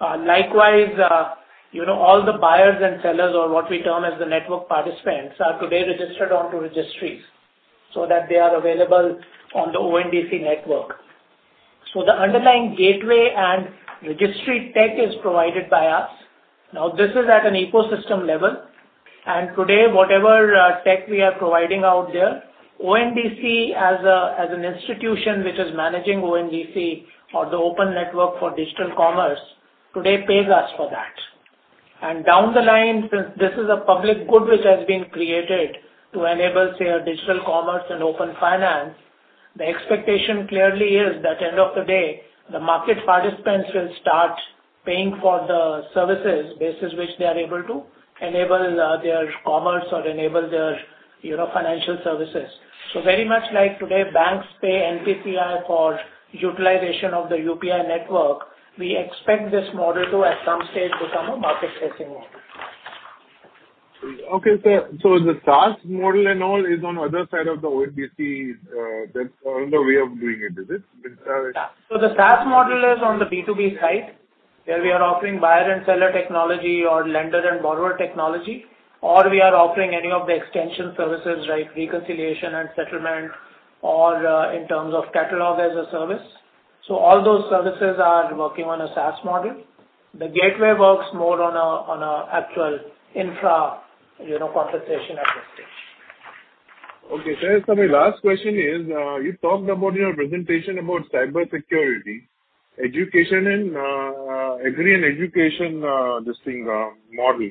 Likewise, you know, all the buyers and sellers, or what we term as the network participants, are today registered onto registries so that they are available on the ONDC network. So the underlying gateway and registry tech is provided by us. Now, this is at an ecosystem level, and today, whatever tech we are providing out there, ONDC, as an institution which is managing ONDC or the Open Network for Digital Commerce, today pays us for that. And down the line, since this is a public good which has been created to enable, say, a digital commerce and open finance, the expectation clearly is that at the end of the day, the market participants will start paying for the services, basis which they are able to enable their commerce or enable their, you know, financial services. So very much like today, banks pay NPCI for utilization of the UPI network, we expect this model to, at some stage, become a market-facing model. Okay, sir. So the SaaS model and all is on other side of the ONDC, that's on the way of doing it, is it? With, So the SaaS model is on the B2B side, where we are offering buyer and seller technology or lender and borrower technology, or we are offering any of the extension services, like reconciliation and settlement or, in terms of catalog as a service. So all those services are working on a SaaS model. The gateway works more on actual infra, you know, compensation at this stage. Okay, sir. So my last question is, you talked about your presentation about cybersecurity, education and agri and education this thing model.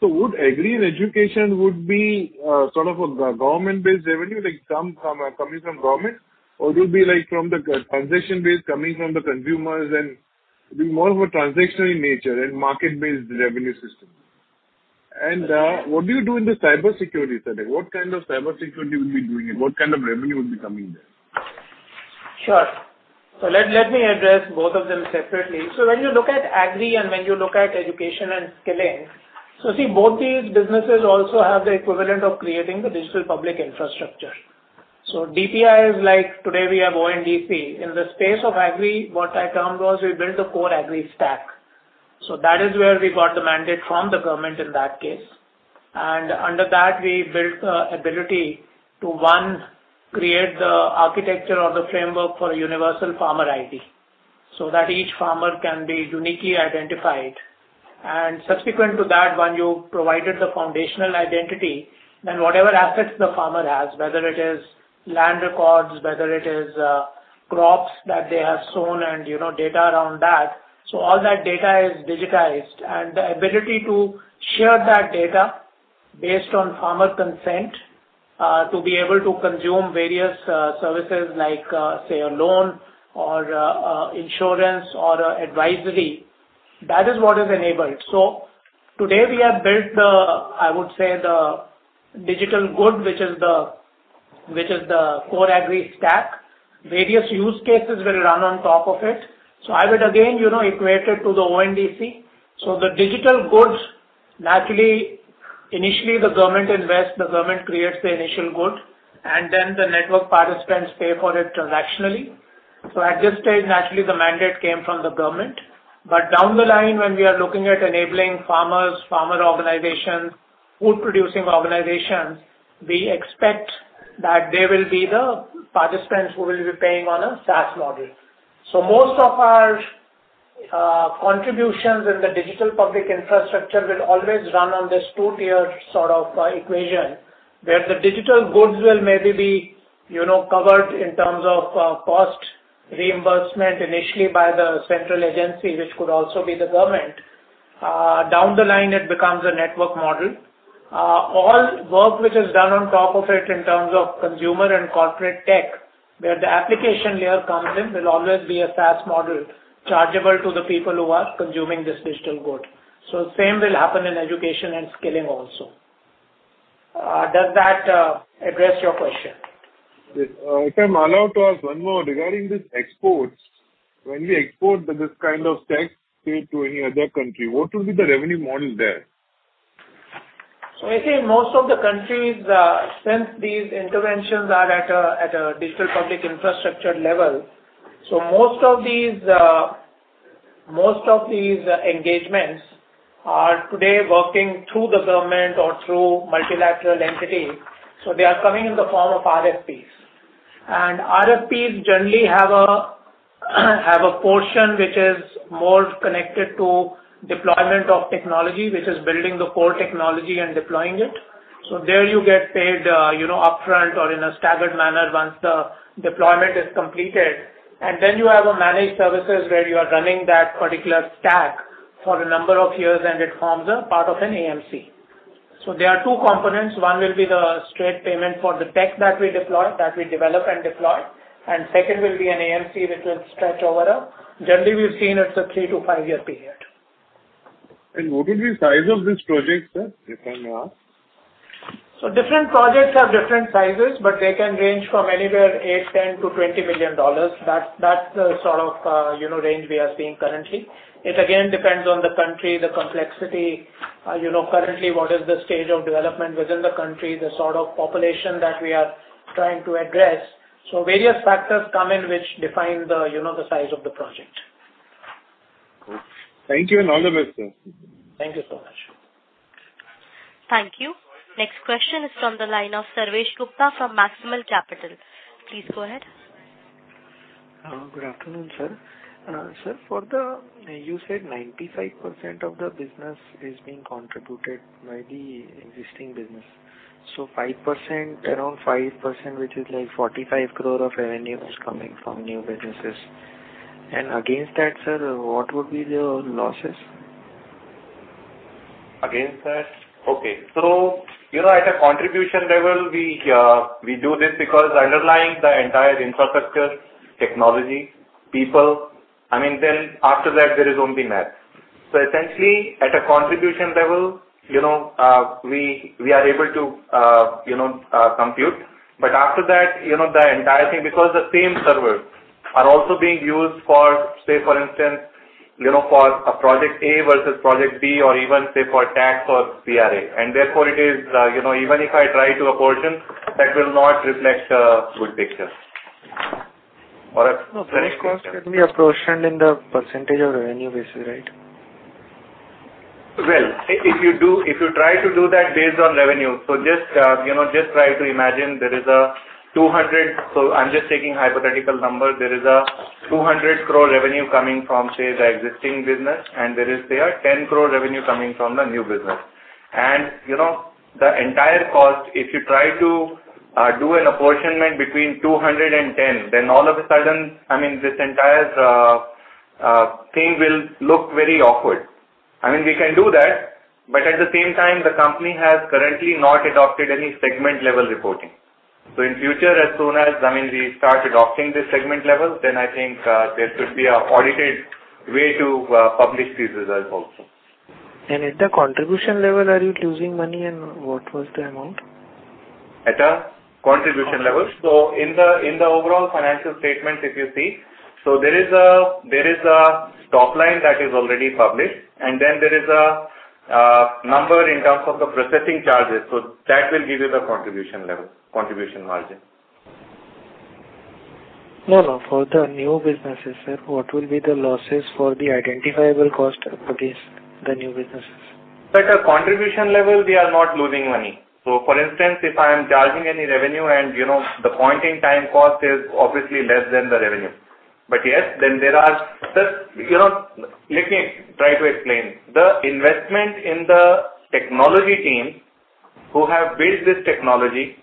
So would agri and education would be sort of a government-based revenue, like some coming from government, or it will be like from the transaction-based coming from the consumers and be more of a transaction in nature and market-based revenue system? And what do you do in the cybersecurity side? What kind of cybersecurity you will be doing and what kind of revenue will be coming there? Sure. So let me address both of them separately. So when you look at agri and when you look at education and skilling, so see, both these businesses also have the equivalent of creating the digital public infrastructure. So DPI is like today we have ONDC. In the space of agri, what I termed was we built the core AgriStack. So that is where we got the mandate from the government in that case. And under that, we built the ability to, one, create the architecture or the framework for Universal Farmer ID, so that each farmer can be uniquely identified. And subsequent to that, when you provided the foundational identity, then whatever assets the farmer has, whether it is land records, whether it is crops that they have sown and, you know, data around that, so all that data is digitized. And the ability to share that data based on farmer consent, to be able to consume various services like, say, a loan or insurance or advisory, that is what is enabled. So today we have built the, I would say, the digital good, which is the, which is the core Agristack. Various use cases will run on top of it. So I would again, you know, equate it to the ONDC. So the digital goods, naturally, initially the government invests, the government creates the initial good, and then the network participants pay for it transactionally. So at this stage, naturally, the mandate came from the government. But down the line, when we are looking at enabling farmers, farmer organizations, food producing organizations, we expect that they will be the participants who will be paying on a SaaS model. So most of our contributions in the digital public infrastructure will always run on this two-tiered sort of equation, where the digital goods will maybe be, you know, covered in terms of cost reimbursement initially by the central agency, which could also be the government. Down the line, it becomes a network model. All work which is done on top of it in terms of consumer and corporate tech, where the application layer comes in, will always be a SaaS model, chargeable to the people who are consuming this digital good. So same will happen in education and skilling also. Does that address your question? Yes. If I'm allowed to ask one more: regarding this exports, when we export this kind of tech stack to any other country, what will be the revenue model there? So I think most of the countries, since these interventions are at a, at a digital public infrastructure level, so most of these, most of these engagements are today working through the government or through multilateral entities, so they are coming in the form of RFPs. And RFPs generally have a, have a portion which is more connected to deployment of technology, which is building the core technology and deploying it. So there you get paid, you know, upfront or in a staggered manner once the deployment is completed. And then you have a managed services, where you are running that particular stack for a number of years, and it forms a part of an AMC. So there are two components. One will be the straight payment for the tech that we deploy, that we develop and deploy, and second will be an AMC, which will stretch over a... Generally, we've seen it's a three-five-year period. What will be the size of this project, sir, if I may ask? Different projects have different sizes, but they can range from anywhere, $8 million-$10 million-$20 million. That's the sort of, you know, range we are seeing currently. It again depends on the country, the complexity, you know, currently what is the stage of development within the country, the sort of population that we are trying to address. Various factors come in which define the, you know, the size. Thank you, and all the best, sir. Thank you so much. Thank you. Next question is from the line of Sarvesh Gupta from Maximal Capital. Please go ahead. Good afternoon, sir. Sir, for the, you said 95% of the business is being contributed by the existing business. So 5%, around 5%, which is like 45 crore of revenue is coming from new businesses. And against that, sir, what would be the losses? Against that? Okay. So, you know, at a contribution level, we do this because underlying the entire infrastructure, technology, people, I mean, then after that, there is only math. So essentially, at a contribution level, you know, we are able to, you know, compute. But after that, you know, the entire thing, because the same servers are also being used for, say, for instance, you know, for a project A versus project B, or even, say, for tax or CRA. And therefore, it is, you know, even if I try to apportion, that will not reflect, good picture or a- No, fixed cost can be apportioned in the percentage of revenue basis, right? Well, if you try to do that based on revenue, so just, you know, just try to imagine there is a 200... So I'm just taking hypothetical number. There is a 200 crore revenue coming from, say, the existing business, and there is, say, a 10 crore revenue coming from the new business. And, you know, the entire cost, if you try to do an apportionment between 200 and 10, then all of a sudden, I mean, this entire thing will look very awkward. I mean, we can do that, but at the same time, the company has currently not adopted any segment-level reporting. So in future, as soon as, I mean, we start adopting this segment level, then I think there should be an audited way to publish these results also. At the contribution level, are you losing money, and what was the amount? At a contribution level? So in the overall financial statements, if you see, so there is a top line that is already published, and then there is a number in terms of the processing charges. So that will give you the contribution level, contribution margin. No, no, for the new businesses, sir, what will be the losses for the identifiable cost for these, the new businesses? At a contribution level, we are not losing money. So for instance, if I am charging any revenue and, you know, the point in time cost is obviously less than the revenue. But yes, then there are the, you know... Let me try to explain. The investment in the technology team who have built this technology,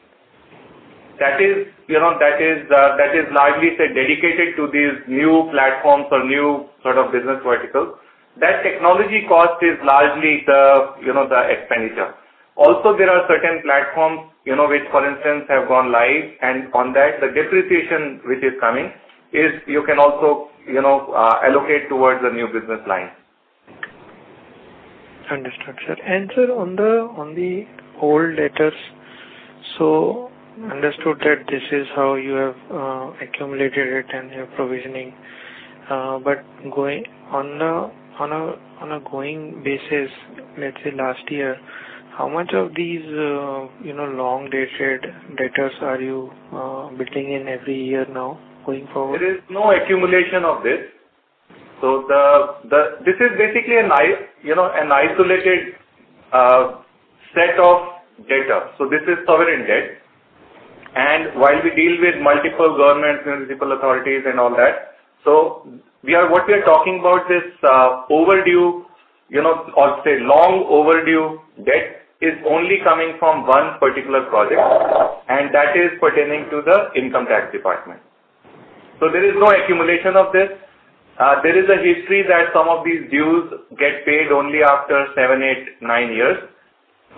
that is, you know, that is, that is largely say, dedicated to these new platforms or new sort of business verticals, that technology cost is largely the, you know, the expenditure. Also, there are certain platforms, you know, which, for instance, have gone live, and on that, the depreciation which is coming is you can also, you know, allocate towards the new business line. Understood, sir. And sir, on the old debtors, so understood that this is how you have accumulated it and you're provisioning. But going on a going basis, let's say last year, how much of these you know long dated debtors are you building in every year now, going forward? There is no accumulation of this. So this is basically a nice, you know, an isolated set of data. So this is sovereign debt. And while we deal with multiple governments, municipal authorities, and all that, so what we are talking about is overdue, you know, or say, long overdue debt is only coming from one particular project, and that is pertaining to the income tax department. So there is no accumulation of this. There is a history that some of these dues get paid only after seven, eight, nine years.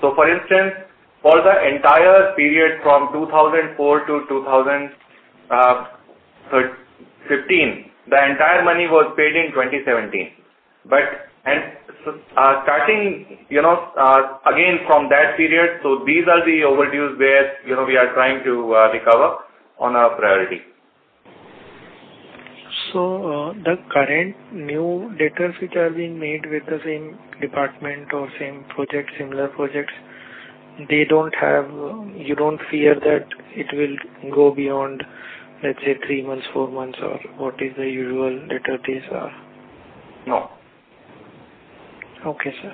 So for instance, for the entire period from 2004-2015, the entire money was paid in 2017. Starting, you know, again from that period, so these are the overdues where, you know, we are trying to recover on our priority. So, the current new debtors which are being made with the same department or same project, similar projects, they don't have, you don't fear that it will go beyond, let's say, three months, four months, or what is the usual debtor days are? No. Okay, sir.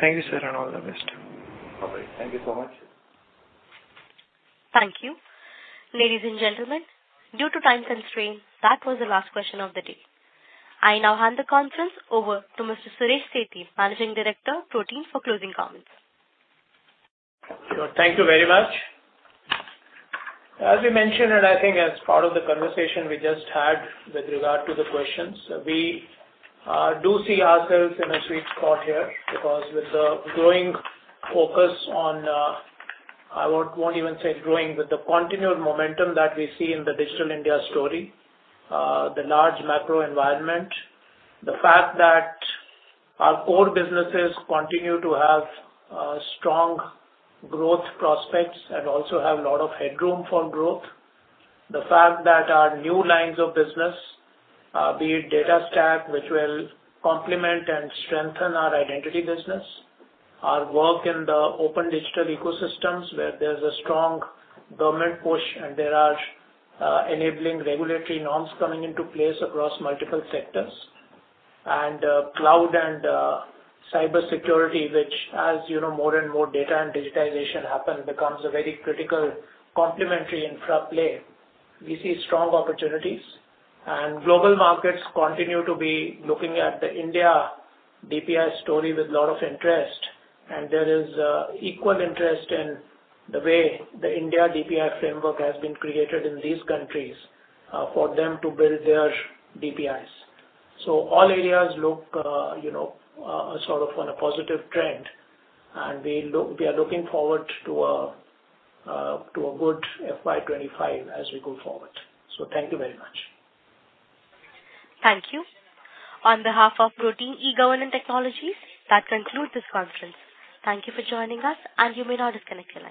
Thank you, sir, and all the best. Bye-bye. Thank you so much. Thank you. Ladies and gentlemen, due to time constraint, that was the last question of the day. I now hand the conference over to Mr. Suresh Sethi, Managing Director, Protean, for closing comments. Thank you very much. As we mentioned, and I think as part of the conversation we just had with regard to the questions, we do see ourselves in a sweet spot here, because with the growing focus on, I won't, won't even say growing, but the continued momentum that we see in the Digital India story, the large macro environment. The fact that our core businesses continue to have strong growth prospects and also have a lot of headroom for growth. The fact that our new lines of business, be it Data Stack, which will complement and strengthen our identity business, our work in the open digital ecosystems, where there's a strong government push and there are enabling regulatory norms coming into place across multiple sectors. Cloud and cybersecurity, which as you know, more and more data and digitization happen, becomes a very critical complementary infra play. We see strong opportunities, and global markets continue to be looking at the India DPI story with a lot of interest, and there is equal interest in the way the India DPI framework has been created in these countries for them to build their DPIs. So all areas look you know sort of on a positive trend, and we are looking forward to a good Fiscal Year 25 as we go forward. So thank you very much. Thank you. On behalf of Protean eGov Technologies, that concludes this conference. Thank you for joining us, and you may now disconnect your lines.